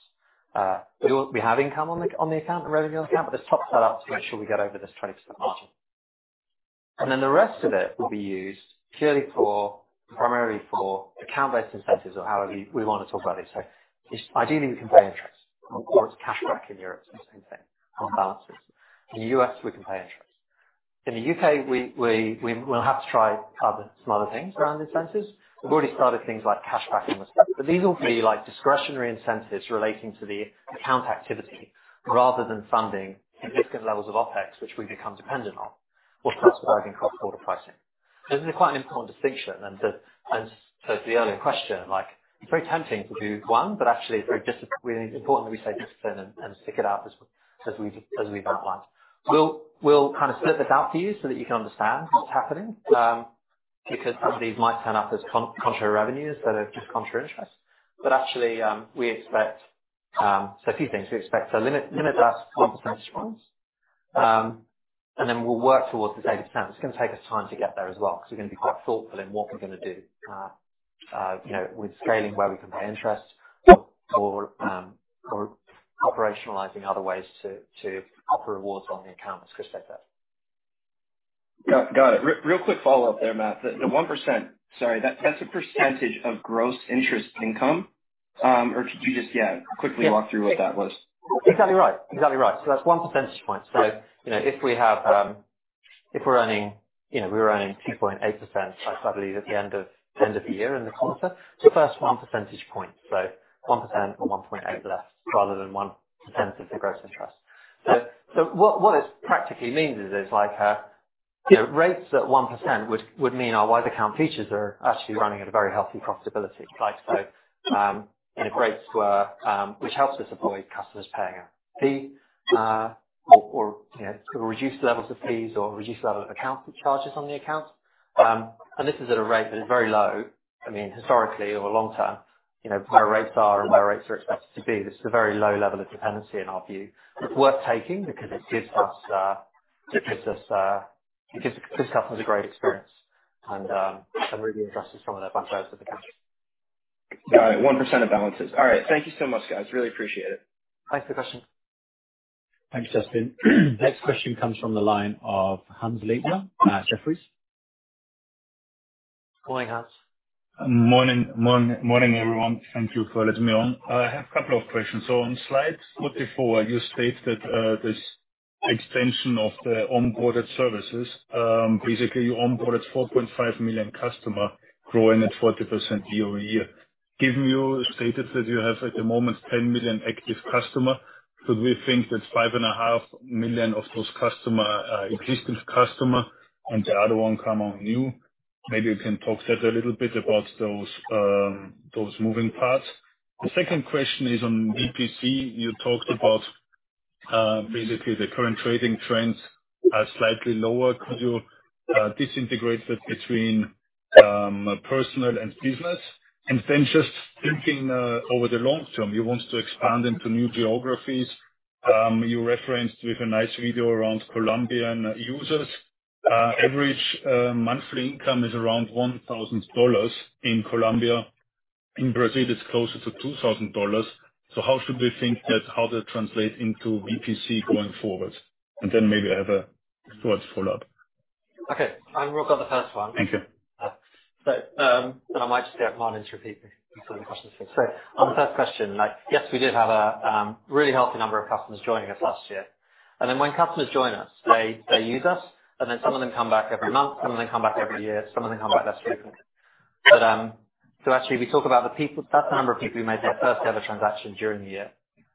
We have income on the account, the revenue on the account, let's top that up to make sure we get over this 20% margin. The rest of it will be used purely for, primarily for account-based incentives or however we want to talk about this, right? Ideally, we can pay interest or it's cash back in Europe, it's the same thing, on balances. In the U.S., we can pay interest. In the U.K., we will have to try some other things around incentives. We've already started things like cash back and whatnot, but these will be like discretionary incentives relating to the account activity rather than funding significant levels of OpEx, which we become dependent on or cross-border and cross-border pricing. This is quite an important distinction, to, as to the earlier question, like, it's very tempting to do one, but actually it's very important that we stay disciplined and stick it out as we've outlined. We'll kind of split this out to you so that you can understand what's happening, because some of these might turn up as contra revenues that are just contra interest. Actually, we expect a few things. We expect to limit us to 1 percentage point, we'll work towards the 30%. It's gonna take us time to get there as well, because we're gonna be quite thoughtful in what we're gonna do, you know, with scaling where we can pay interest or operationalizing other ways to offer rewards on the accounts. Kristo said that. Got it. Real quick follow-up there, Matt. The 1%, sorry, that's a percentage of gross interest income? Or could you just quickly walk through what that was? Exactly right. Exactly right. That's 1 percentage point. You know, if we have, if we're running, you know, we were running 2.8%, I believe, at the end of, end of the year in the quarter. First 1 percentage point, so 1% or 1.8 less rather than 1% of the gross interest. What this practically means is like, you know, rates at 1% would mean our Wise Account features are actually running at a very healthy profitability. Like, and a great square, which helps us avoid customers paying a fee, or, you know, reduce levels of fees or reduce level of account charges on the account. And this is at a rate that is very low. I mean, historically, over long term, you know, where rates are and where rates are expected to be, this is a very low level of dependency in our view. It's worth taking because it gives us, it gives the customers a great experience and really addresses some of their bank accounts with the account. All right. 1% of balances. All right. Thank you so much, guys. Really appreciate it. Thanks for the question. Thanks, Justin. Next question comes from the line of Hannes Leitner, Jefferies. Good morning, Hannes. Morning, morning, everyone. Thank you for letting me on. I have a couple of questions. On slide 44, you state that this extension of the onboarded services, basically you onboarded 4.5 million customer growing at 40% year-over-year. Given you stated that you have, at the moment, 10 million active customer, could we think that 5.5 million of those customer are existing customer and the other one come on new? Maybe you can talk a little bit about those moving parts. The second question is on VPC. You talked about, basically the current trading trends are slightly lower. Could you disintegrate that between personal and business? Just thinking, over the long term, you want to expand into new geographies. You referenced with a nice video around Colombian users. Average monthly income is around $1,000 in Colombia. In Brazil, it's closer to $2,000. How should we think that, how that translate into VPC going forward? Maybe I have a thoughts follow-up. Okay. I'm work on the first one. Thank you. I might just get Martyn to repeat the second question. On the first question, like, yes, we did have a really healthy number of customers joining us last year. When customers join us, they use us, and then some of them come back every month, some of them come back every year, some of them come back less frequently. Actually we talk about the people. That's the number of people who made their first ever transaction during the year.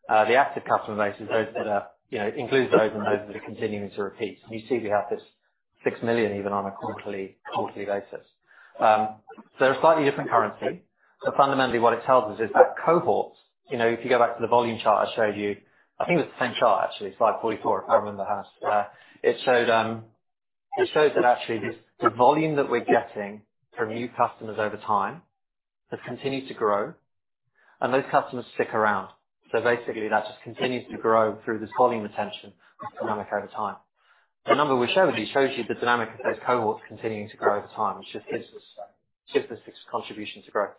The active customer base is those that are, you know, includes those and those that are continuing to repeat. You see we have this 6 million even on a quarterly basis. A slightly different currency. Fundamentally, what it tells us is that cohorts, you know, if you go back to the volume chart I showed you, I think it's the same chart actually. Slide 44, if I remember that. It shows that actually the volume that we're getting from new customers over time has continued to grow, and those customers stick around. Basically, that just continues to grow through this volume retention dynamic over time. The number we showed you shows you the dynamic of those cohorts continuing to grow over time, which just gives us just the six contribution to growth.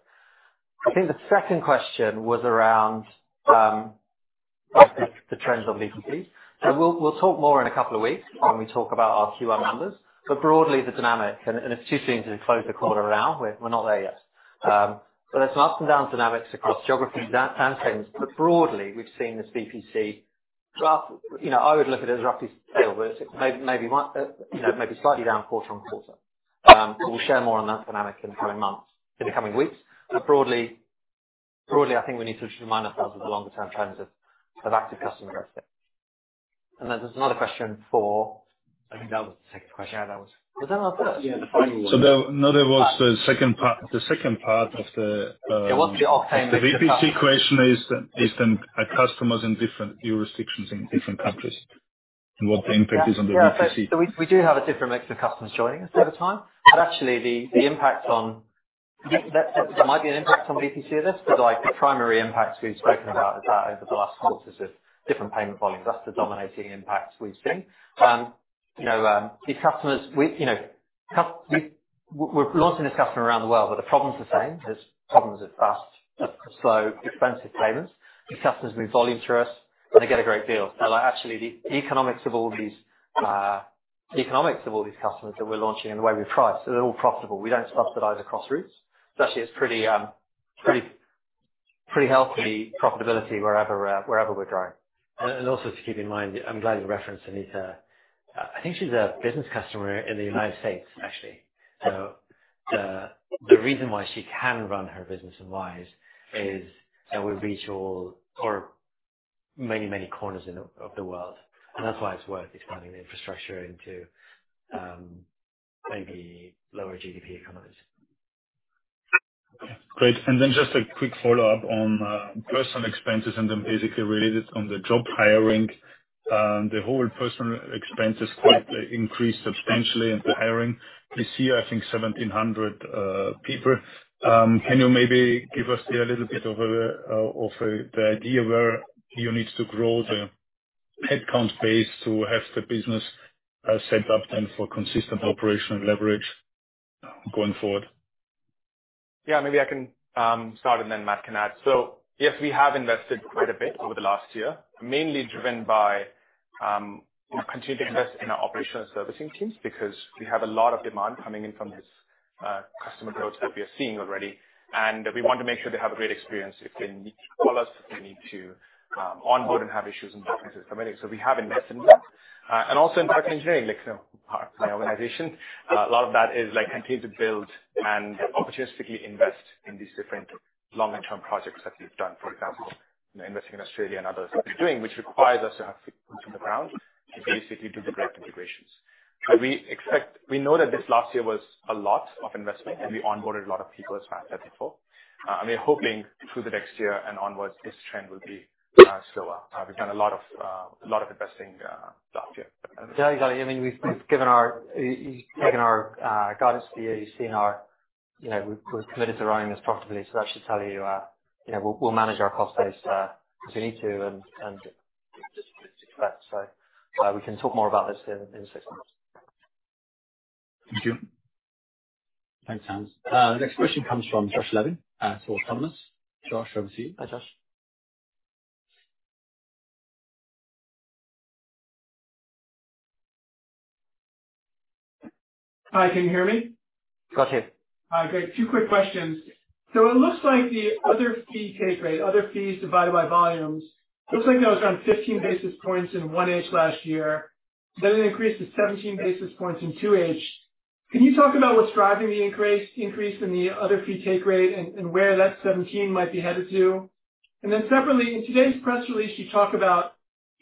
I think the second question was around the trends of VPC. We'll talk more in a couple of weeks when we talk about our QR numbers. Broadly, the dynamic, and it's too soon to close the quarter now, we're not there yet. There's some up and down dynamics across geographies, down trends, broadly, we've seen this VPC drop. You know, I would look at it as roughly scale, it maybe one, you know, maybe slightly down quarter-on-quarter. We'll share more on that dynamic in the coming months, in the coming weeks. Broadly, I think we need to just remind ourselves of the longer term trends of active customer growth there. Then there's another question for. I think that was the second question. Yeah, that was. Was that not the first? Yeah, the final one. No, there was a second part of the, Yeah, what the. The VPC question is the customers in different jurisdictions, in different countries, and what the impact is on the VPC. We do have a different mix of customers joining us over time. Actually, the impact on. Yeah, that, there might be an impact on VPC of this, but, like, the primary impacts we've spoken about is that over the last quarters is different payment volumes. That's the dominating impact we've seen. You know, these customers we, you know, we're launching this customer around the world, but the problem's the same. There's problems with fast, slow, expensive payments. These customers move volume through us, and they get a great deal. Like, actually, the economics of all these customers that we're launching and the way we price, they're all profitable. We don't subsidize across routes. Actually, it's pretty healthy profitability wherever we're growing. Also to keep in mind, I'm glad you referenced Anita. I think she's a business customer in the United States, actually. The reason why she can run her business in Wise is that we reach all or many corners in of the world, and that's why it's worth expanding the infrastructure into maybe lower GDP economies. Great. Just a quick follow-up on personal expenses, and then basically related on the job hiring. The whole personal expense is quite increased substantially into hiring. This year, I think 1,700 people. Can you maybe give us a little bit of the idea where you need to grow the headcount base to have the business set up then for consistent operational leverage going forward? Maybe I can start and then Matt can add. Yes, we have invested quite a bit over the last year, mainly driven by, you know, continuing to invest in our operational servicing teams, because we have a lot of demand coming in from this customer growth that we are seeing already. We want to make sure they have a great experience if they need to call us, if they need to onboard and have issues and business system, we have invested in that. Also in product engineering, like, you know, my organization. A lot of that is like continue to build and opportunistically invest in these different long and term projects that we've done. For example, investing in Australia and others that we're doing, which requires us to have feet on the ground to basically do the correct integrations. We know that this last year was a lot of investment, and we onboarded a lot of people, as Matt said before. We're hoping through the next year and onwards, this trend will be similar. We've done a lot of investing last year. Yeah, exactly. I mean, we've Taken our guidance to you've seen our, you know, we've committed to running this profitably, so that should tell you know, we'll manage our cost base if we need to, and just success. We can talk more about this in six months. Thank you. Thanks, Hannes. Next question comes from Josh Levin, for Autonomous. Josh, over to you. Hi, Josh. Hi, can you hear me? Got you. Great. Two quick questions. It looks like the other fee take rate, other fees divided by volumes, looks like that was around 15 basis points in 1H last year, then it increased to 17 basis points in 2H. Can you talk about what's driving the increase in the other fee take rate and where that 17 might be headed to? Separately, in today's press release, you talked about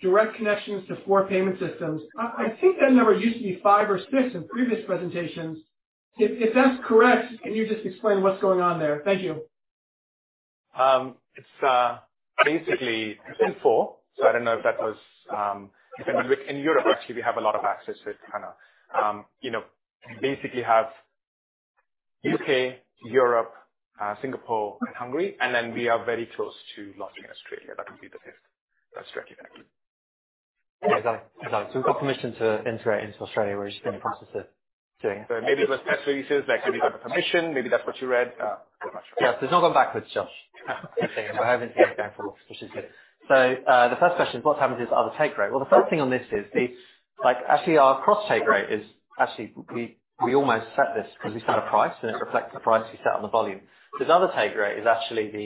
direct connections to four payment systems. I think that number used to be five or six in previous presentations. If that's correct, can you just explain what's going on there? Thank you. It's basically been four, so I don't know if that was in Europe, actually, we have a lot of access to it, kind of. You know, we basically.... U.K., Europe, Singapore and Hungary, and then we are very close to launching in Australia. That will be the fifth strategy then. Exactly. We've got permission to enter into Australia. We're just in the process of doing it. Maybe it was press releases that maybe you got the permission, maybe that's what you read, pretty much. Yes. It's not gone backwards, Josh. We haven't yet gone for, which is good. The first question is what's happened to this other take rate? The first thing on this is Like, actually, our cross take rate is actually, we almost set this because we set a price, and it reflects the price we set on the volume. This other take rate is actually the,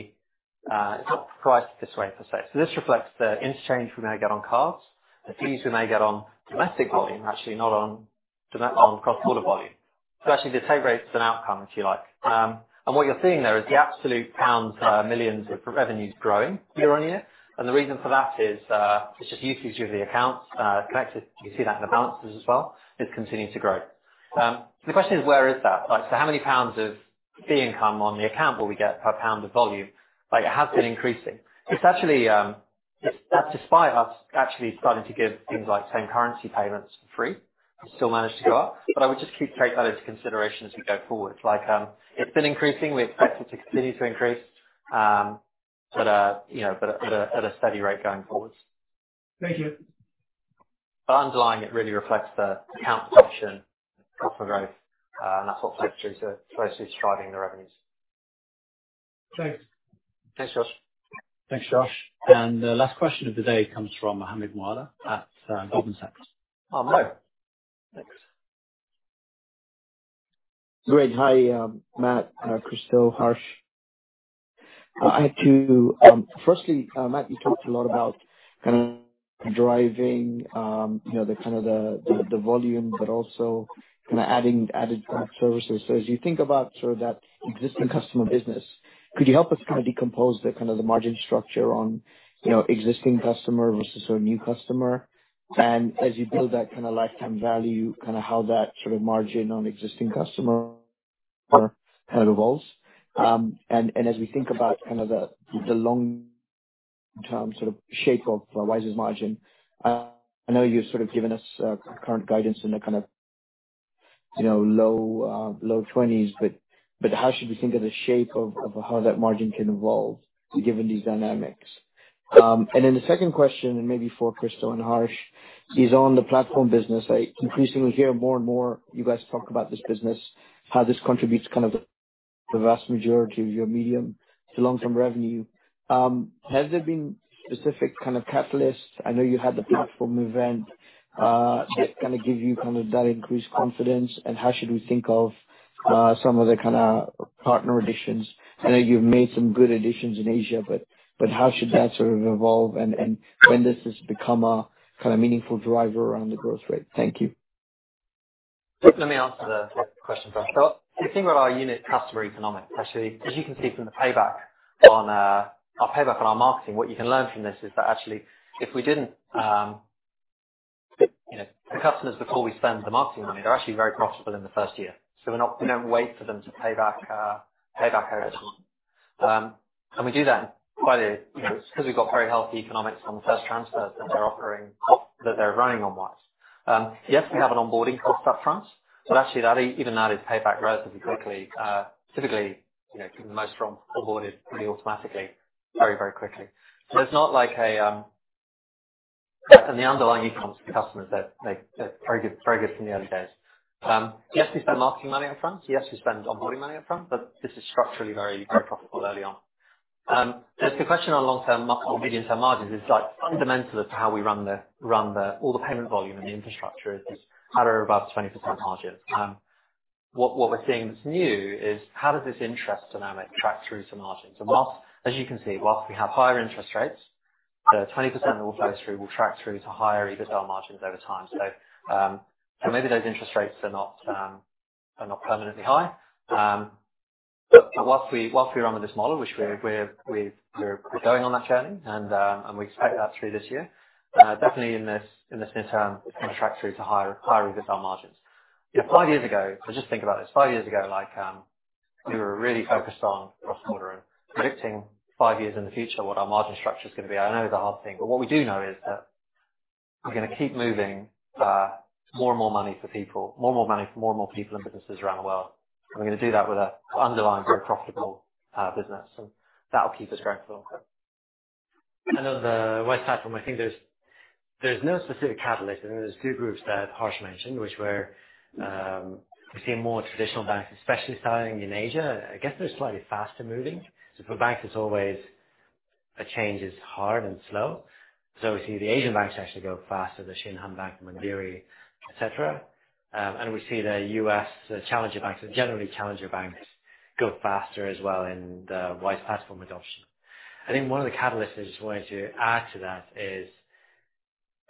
it's not priced this way, per se. This reflects the interchange we may get on cards, the fees we may get on domestic volume, actually, not on domestic, on cross-border volume. Actually, the take rate is an outcome, if you like. What you're seeing there is the absolute pound millions of revenues growing year-over-year. The reason for that is it's just usage of the accounts connected. You see that in the balances as well. It's continuing to grow. The question is, where is that? Like, so how many GBP of fee income on the account will we get per pound of volume? Like, it has been increasing. It's actually. That's despite us actually starting to give things like same-currency payments for free. It still managed to go up, but I would just take that into consideration as we go forward. Like, it's been increasing. We expect it to continue to increase, but you know, but at a steady rate going forward. Thank you. Underlying, it really reflects the account function for growth, and that's what factors are mostly driving the revenues. Thanks. Thanks, Josh. Thanks, Josh. The last question of the day comes from Mohammed Moawalla at Goldman Sachs. Oh, hi. Thanks. Great. Hi, Matt, Kristo, Harsh. I had to, firstly, Matt, you talked a lot about kind of driving, you know, the kind of the volume, but also kind of adding added services. As you think about sort of that existing customer business, could you help us kind of decompose the kind of the margin structure on, you know, existing customer versus a new customer? As you build that kind of lifetime value, kind of how that sort of margin on existing customer kind of evolves. As we think about kind of the long-term sort of shape of Wise's margin, I know you've sort of given us current guidance in the kind of, you know, low 20s, but how should we think of the shape of how that margin can evolve given these dynamics? Then the second question, and maybe for Kristo and Harsh, is on the platform business. I increasingly hear more and more you guys talk about this business, how this contributes kind of the vast majority of your medium to long-term revenue. Has there been specific kind of catalysts? I know you had the platform event, that kind of give you that increased confidence, and how should we think of some of the kind of partner additions? I know you've made some good additions in Asia, but how should that sort of evolve and when does this become a kind of meaningful driver around the growth rate? Thank you. Let me answer the question first. If you think about our unit customer economics, actually, as you can see from the payback on our payback on our marketing, what you can learn from this is that actually, if we didn't, you know, the customers, before we spend the marketing money, they're actually very profitable in the first year. We're not going to wait for them to pay back over time. And we do that by the, you know, 'cause we've got very healthy economics from the first transfers that they're offering, that they're running on Wise. Yes, we have an onboarding cost up front, but actually, even that is paid back relatively quickly. Typically, you know, the most from onboarded pretty automatically, very quickly. So it's not like a. The underlying e-commerce customers, they're very good from the early days. Yes, we spend marketing money up front. Yes, we spend onboarding money up front, but this is structurally very profitable early on. As the question on long-term or medium-term margins is, like, fundamental to how we run the... All the payment volume and the infrastructure is at or above 20% margins. What we're seeing that's new is how does this interest dynamic track through to margins? Whilst, as you can see, whilst we have higher interest rates, the 20% will flow through, will track through to higher EBITDA margins over time. Maybe those interest rates are not permanently high. Whilst we run with this model, which we're going on that journey and we expect that through this year, definitely in this interim, it's gonna track through to higher EBITDA margins. Just think about this. five years ago, like, we were really focused on cross-border and predicting five years in the future what our margin structure is gonna be. I know it's a hard thing, but what we do know is that we're gonna keep moving, more and more money for people, more and more money for more and more people and businesses around the world. We're gonna do that with a underlying, very profitable, business, and that will keep us growing for long term. On the Wise Platform, I think there's no specific catalyst. I mean, there's two groups that Harsh mentioned, which were, we're seeing more traditional banks, especially starting in Asia. I guess they're slightly faster moving. For banks, it's always a change is hard and slow. We see the Asian banks actually go faster, the Shinhan Bank, Mandiri, et cetera. We see the U.S., the challenger banks, and generally challenger banks go faster as well in the Wise Platform adoption. I think one of the catalysts I just wanted to add to that is,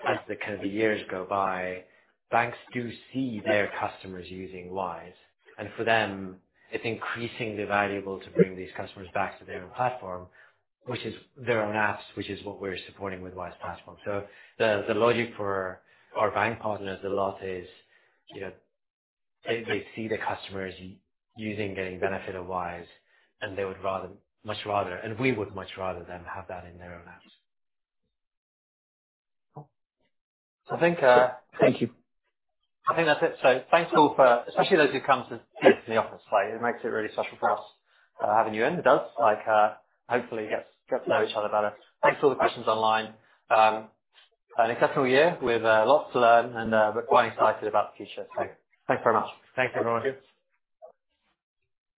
as the kind of years go by, banks do see their customers using Wise, and for them, it's increasingly valuable to bring these customers back to their own platform, which is their own apps, which is what we're supporting with Wise Platform. The logic for our bank partners, the lot is, you know, they see the customers using, getting benefit of Wise, and they would rather, much rather, and we would much rather them have that in their own apps. I think. Thank you. I think that's it. Thanks all for... Especially those who've come to the office, it makes it really special for us, having you in. It does, hopefully get to know each other better. Thanks for all the questions online. An exceptional year with lots to learn, we're quite excited about the future. Thanks very much. Thanks, everyone. Thank you.